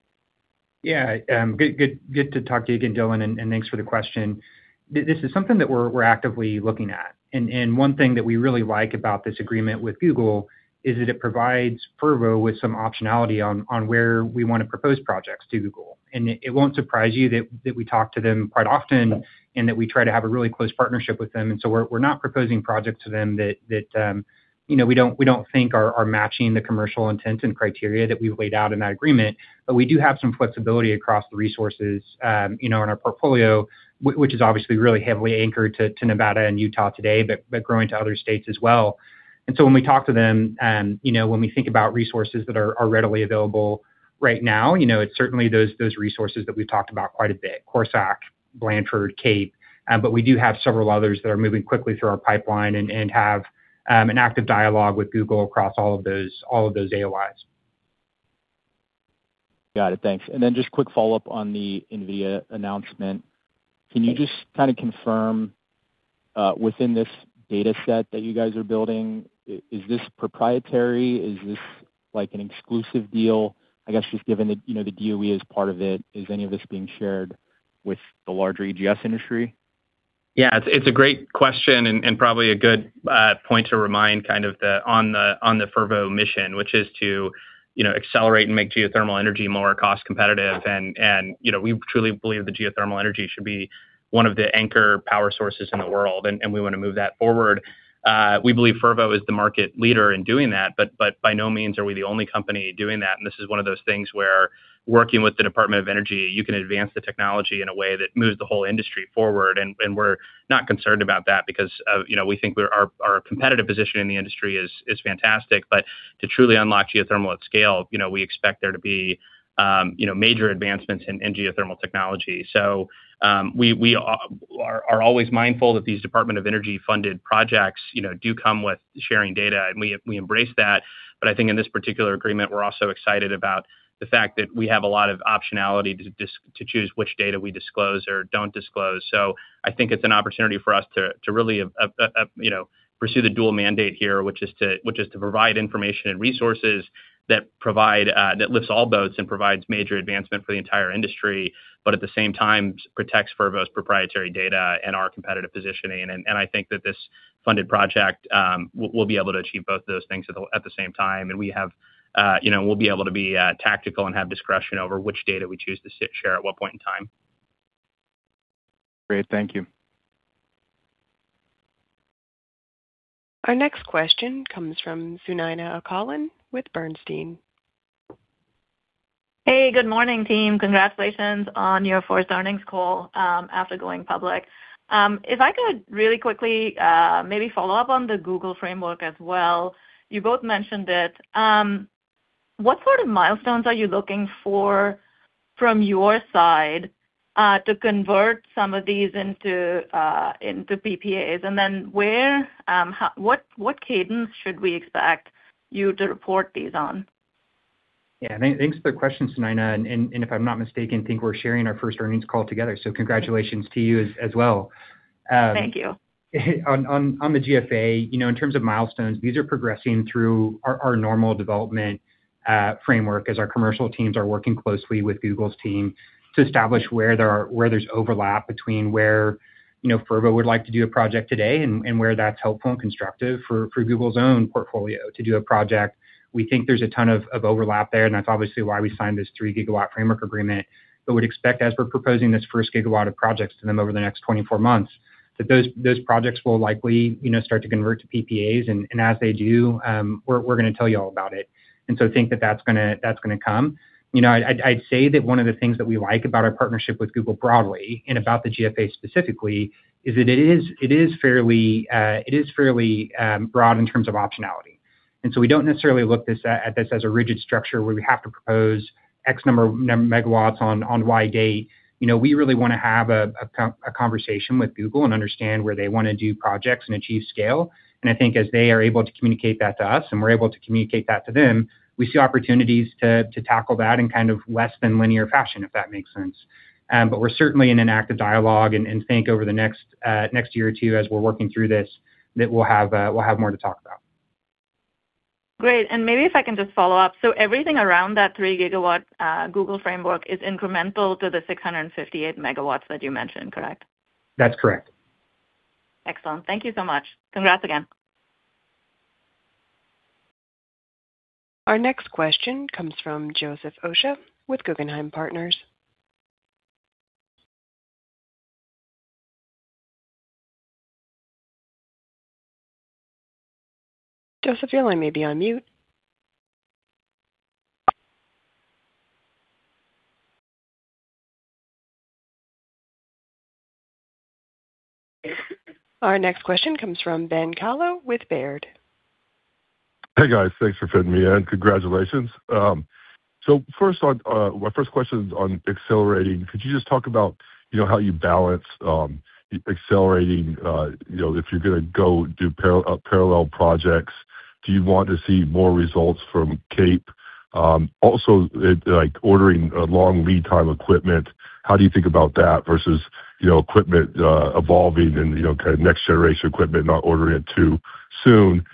Yeah. Good to talk to you again, Dylan, thanks for the question. This is something that we're actively looking at, one thing that we really like about this agreement with Google is that it provides Fervo with some optionality on where we want to propose projects to Google. It won't surprise you that we talk to them quite often and that we try to have a really close partnership with them. So we're not proposing projects to them that we don't think are matching the commercial intent and criteria that we've laid out in that agreement. We do have some flexibility across the resources in our portfolio, which is obviously really heavily anchored to Nevada and Utah today, but growing to other states as well. So when we talk to them, when we think about resources that are readily available right now, it's certainly those resources that we've talked about quite a bit, Corsac, Blanford, Cape. We do have several others that are moving quickly through our pipeline and have an active dialogue with Google across all of those AOIs. Got it. Thanks. Then just quick follow-up on the NVIDIA announcement. Sure. Can you just confirm within this data set that you guys are building, is this proprietary? Is this an exclusive deal? I guess just given the DOE is part of it, is any of this being shared with the larger EGS industry? Yeah. It's a great question and probably a good point to remind on the Fervo mission, which is to accelerate and make geothermal energy more cost competitive. We truly believe that geothermal energy should be one of the anchor power sources in the world, and we want to move that forward. We believe Fervo is the market leader in doing that, but by no means are we the only company doing that. This is one of those things where working with the Department of Energy, you can advance the technology in a way that moves the whole industry forward. We're not concerned about that because we think our competitive position in the industry is fantastic. To truly unlock geothermal at scale, we expect there to be major advancements in geothermal technology. We are always mindful that these Department of Energy funded projects do come with sharing data, and we embrace that. I think in this particular agreement, we're also excited about the fact that we have a lot of optionality to choose which data we disclose or don't disclose. I think it's an opportunity for us to really pursue the dual mandate here, which is to provide information and resources that lifts all boats and provides major advancement for the entire industry, but at the same time, protects Fervo's proprietary data and our competitive positioning. I think that this funded project will be able to achieve both those things at the same time. We'll be able to be tactical and have discretion over which data we choose to share at what point in time. Great. Thank you. Our next question comes from Sunaina Ocalan with Bernstein. Hey, good morning, team. Congratulations on your first earnings call after going public. If I could really quickly maybe follow up on the Google framework as well. You both mentioned it. What sort of milestones are you looking for from your side to convert some of these into PPAs? What cadence should we expect you to report these on? Yeah, thanks for the question, Sunaina. If I'm not mistaken, think we're sharing our first earnings call together, congratulations to you as well. Thank you. On the GFA, in terms of milestones, these are progressing through our normal development framework as our commercial teams are working closely with Google's team to establish where there's overlap between where Fervo would like to do a project today and where that's helpful and constructive for Google's own portfolio to do a project. We think there's a ton of overlap there, that's obviously why we signed this three gigawatt framework agreement. Would expect as we're proposing this first gigawatt of projects to them over the next 24 months, that those projects will likely start to convert to PPAs. As they do, we're going to tell you all about it. Think that that's going to come. I'd say that one of the things that we like about our partnership with Google broadly, about the GFA specifically, is that it is fairly broad in terms of optionality. We don't necessarily look at this as a rigid structure where we have to propose X number of megawatts on Y date. We really want to have a conversation with Google and understand where they want to do projects and achieve scale. I think as they are able to communicate that to us and we're able to communicate that to them, we see opportunities to tackle that in kind of less than linear fashion, if that makes sense. We're certainly in an active dialogue and think over the next year or two as we're working through this, that we'll have more to talk about. Great. Maybe if I can just follow up. Everything around that 3 GW Google framework is incremental to the 658 MW that you mentioned, correct? That's correct. Excellent. Thank you so much. Congrats again. Our next question comes from Joseph Osha with Guggenheim Partners. Joseph, your line may be on mute. Our next question comes from Ben Kallo with Baird. Hey, guys. Thanks for fitting me in. Congratulations. My first question is on accelerating. Could you just talk about how you balance accelerating, if you're going to go do parallel projects? Do you want to see more results from Cape? Also, like ordering long lead time equipment, how do you think about that versus equipment evolving and next generation equipment, not ordering it too soon?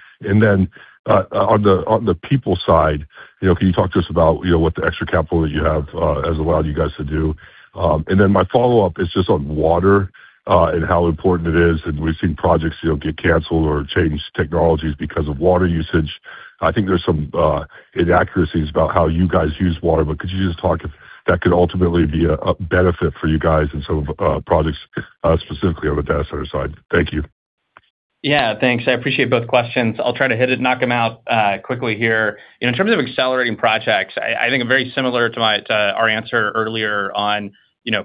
On the people side, can you talk to us about what the extra capital that you have has allowed you guys to do? My follow-up is just on water, and how important it is. We've seen projects get canceled or change technologies because of water usage. I think there's some inaccuracies about how you guys use water, could you just talk if that could ultimately be a benefit for you guys in some of projects, specifically on the data center side? Thank you. Yeah, thanks. I appreciate both questions. I'll try to hit it, knock them out quickly here. In terms of accelerating projects, I think very similar to our answer earlier on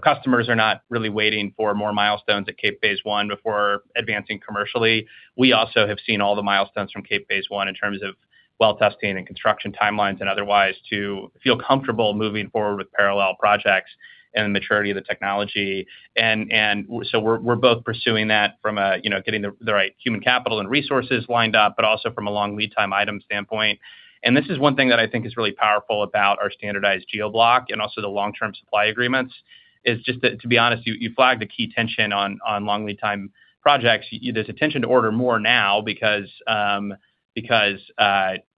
customers are not really waiting for more milestones at Cape phase I before advancing commercially. We also have seen all the milestones from Cape phase I in terms of well testing and construction timelines and otherwise to feel comfortable moving forward with parallel projects and the maturity of the technology. We're both pursuing that from getting the right human capital and resources lined up, also from a long lead time item standpoint. This is one thing that I think is really powerful about our standardized GeoBlock and also the long-term supply agreements, is just that, to be honest, you flagged a key tension on long lead time projects. There's a tension to order more now because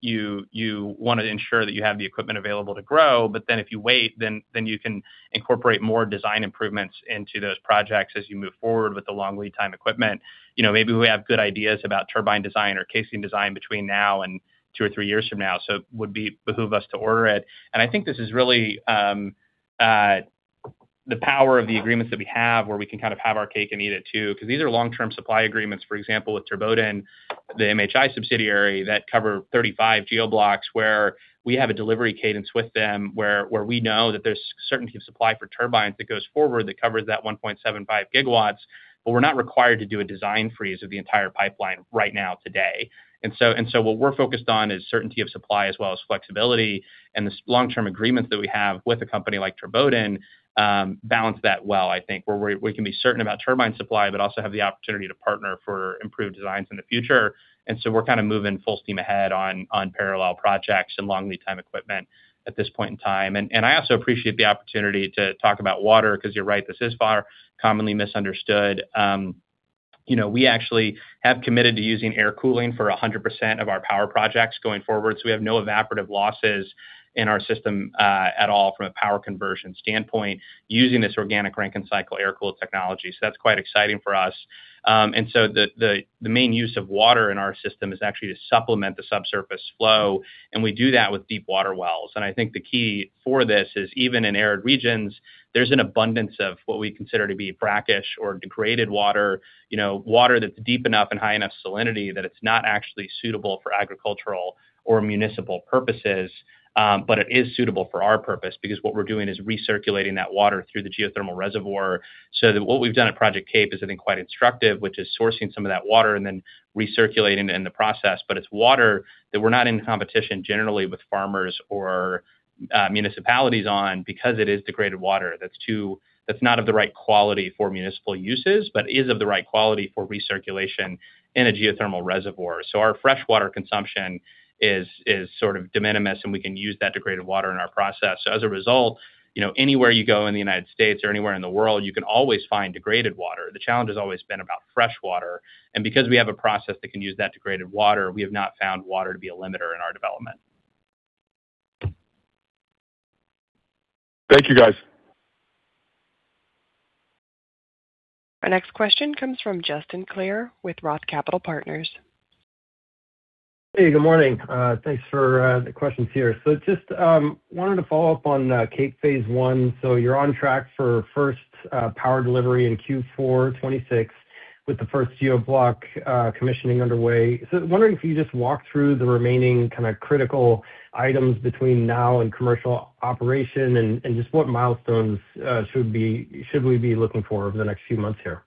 you want to ensure that you have the equipment available to grow. If you wait, then you can incorporate more design improvements into those projects as you move forward with the long lead time equipment. Maybe we have good ideas about turbine design or casing design between now and two or three years from now, it would behoove us to order it. I think this is really the power of the agreements that we have where we can kind of have our cake and eat it too, because these are long-term supply agreements, for example, with Turboden, the MHI subsidiary that cover 35 GeoBlocks, where we have a delivery cadence with them where we know that there's certainty of supply for turbines that goes forward that covers that 1.75 GW, we're not required to do a design freeze of the entire pipeline right now today. What we're focused on is certainty of supply as well as flexibility. The long-term agreements that we have with a company like Turboden balance that well, I think, where we can be certain about turbine supply, also have the opportunity to partner for improved designs in the future. We're kind of moving full steam ahead on parallel projects and long lead time equipment at this point in time. I also appreciate the opportunity to talk about water, because you're right, this is far commonly misunderstood. We actually have committed to using air cooling for 100% of our power projects going forward, we have no evaporative losses in our system at all from a power conversion standpoint using this Organic Rankine Cycle air-cooled technology. That's quite exciting for us. The main use of water in our system is actually to supplement the subsurface flow, and we do that with deep water wells. I think the key for this is even in arid regions, there's an abundance of what we consider to be brackish or degraded water. Water that's deep enough and high enough salinity that it's not actually suitable for agricultural or municipal purposes. It is suitable for our purpose because what we're doing is recirculating that water through the geothermal reservoir. What we've done at Project Cape is I think quite instructive, which is sourcing some of that water and then recirculating it in the process. It's water that we're not in competition generally with farmers or municipalities on because it is degraded water that's not of the right quality for municipal uses, is of the right quality for recirculation in a geothermal reservoir. Our freshwater consumption is sort of de minimis, and we can use that degraded water in our process. As a result, anywhere you go in the United States or anywhere in the world, you can always find degraded water. The challenge has always been about fresh water. Because we have a process that can use that degraded water, we have not found water to be a limiter in our development. Thank you, guys. Our next question comes from Justin Clare with Roth Capital Partners. Hey, good morning. Thanks for the questions here. Just wanted to follow up on Cape phase I. You're on track for first power delivery in Q4 2026 with the first GeoBlock commissioning underway. Wondering if you just walk through the remaining kind of critical items between now and commercial operation and just what milestones should we be looking for over the next few months here?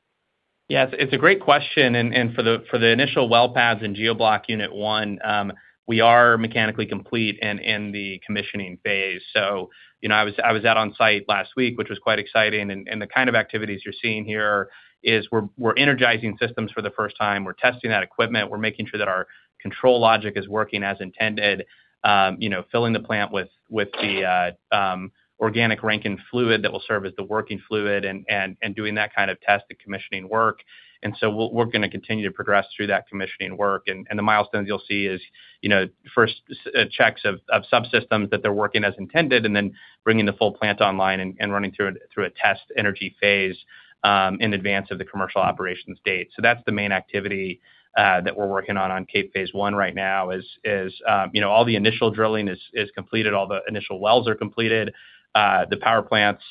Yes, it's a great question. For the initial well pads in GeoBlock Unit 1, we are mechanically complete and in the commissioning phase. I was out on site last week, which was quite exciting. The kind of activities you're seeing here is we're energizing systems for the first time. We're testing that equipment. We're making sure that our control logic is working as intended, filling the plant with the organic Rankine fluid that will serve as the working fluid and doing that kind of test and commissioning work. We're going to continue to progress through that commissioning work. The milestones you'll see is first checks of subsystems that they're working as intended and then bringing the full plant online and running through a test energy phase in advance of the commercial operations date. That's the main activity that we're working on Cape phase I right now is all the initial drilling is completed, all the initial wells are completed. The power plants,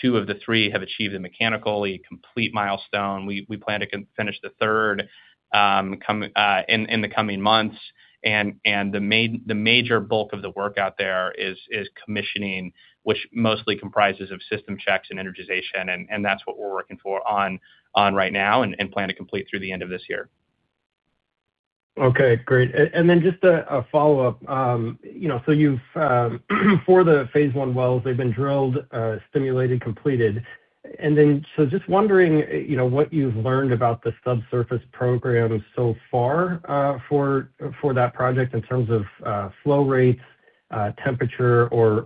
two of the three have achieved a mechanically complete milestone. We plan to finish the third in the coming months. The major bulk of the work out there is commissioning, which mostly comprises of system checks and energization. That's what we're working for on right now and plan to complete through the end of this year. Okay. Great. Just a follow-up. For the phase I wells, they've been drilled, stimulated, completed. Just wondering what you've learned about the subsurface program so far for that project in terms of flow rates, temperature, or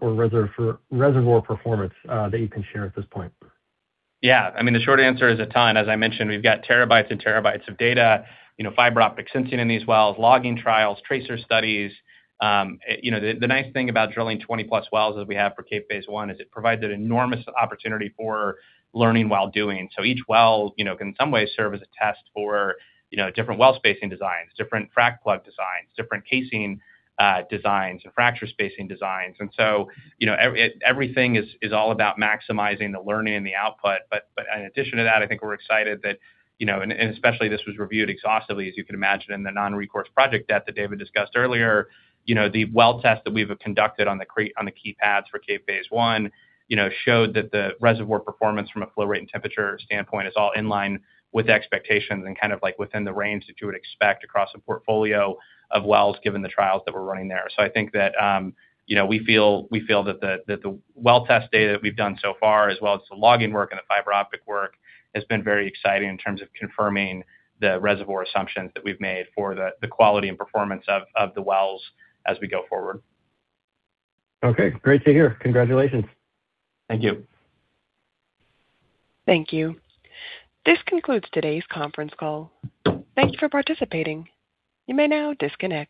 reservoir performance that you can share at this point. Yeah, I mean, the short answer is a ton. As I mentioned, we've got terabytes and terabytes of data, fiber optic sensing in these wells, logging trials, tracer studies. The nice thing about drilling 20+ wells as we have for Cape phase I is it provides an enormous opportunity for learning while doing. Each well can some way serve as a test for different well spacing designs, different frac plug designs, different casing designs, and fracture spacing designs. Everything is all about maximizing the learning and the output. In addition to that, I think we're excited that, and especially this was reviewed exhaustively, as you can imagine, in the non-recourse project that David discussed earlier. The well test that we've conducted on the key pads for Cape phase I showed that the reservoir performance from a flow rate and temperature standpoint is all in line with the expectations and kind of within the range that you would expect across a portfolio of wells given the trials that we're running there. I think that we feel that the well test data that we've done so far, as well as the logging work and the fiber optic work, has been very exciting in terms of confirming the reservoir assumptions that we've made for the quality and performance of the wells as we go forward. Okay. Great to hear. Congratulations. Thank you. Thank you. This concludes today's conference call. Thank you for participating. You may now disconnect.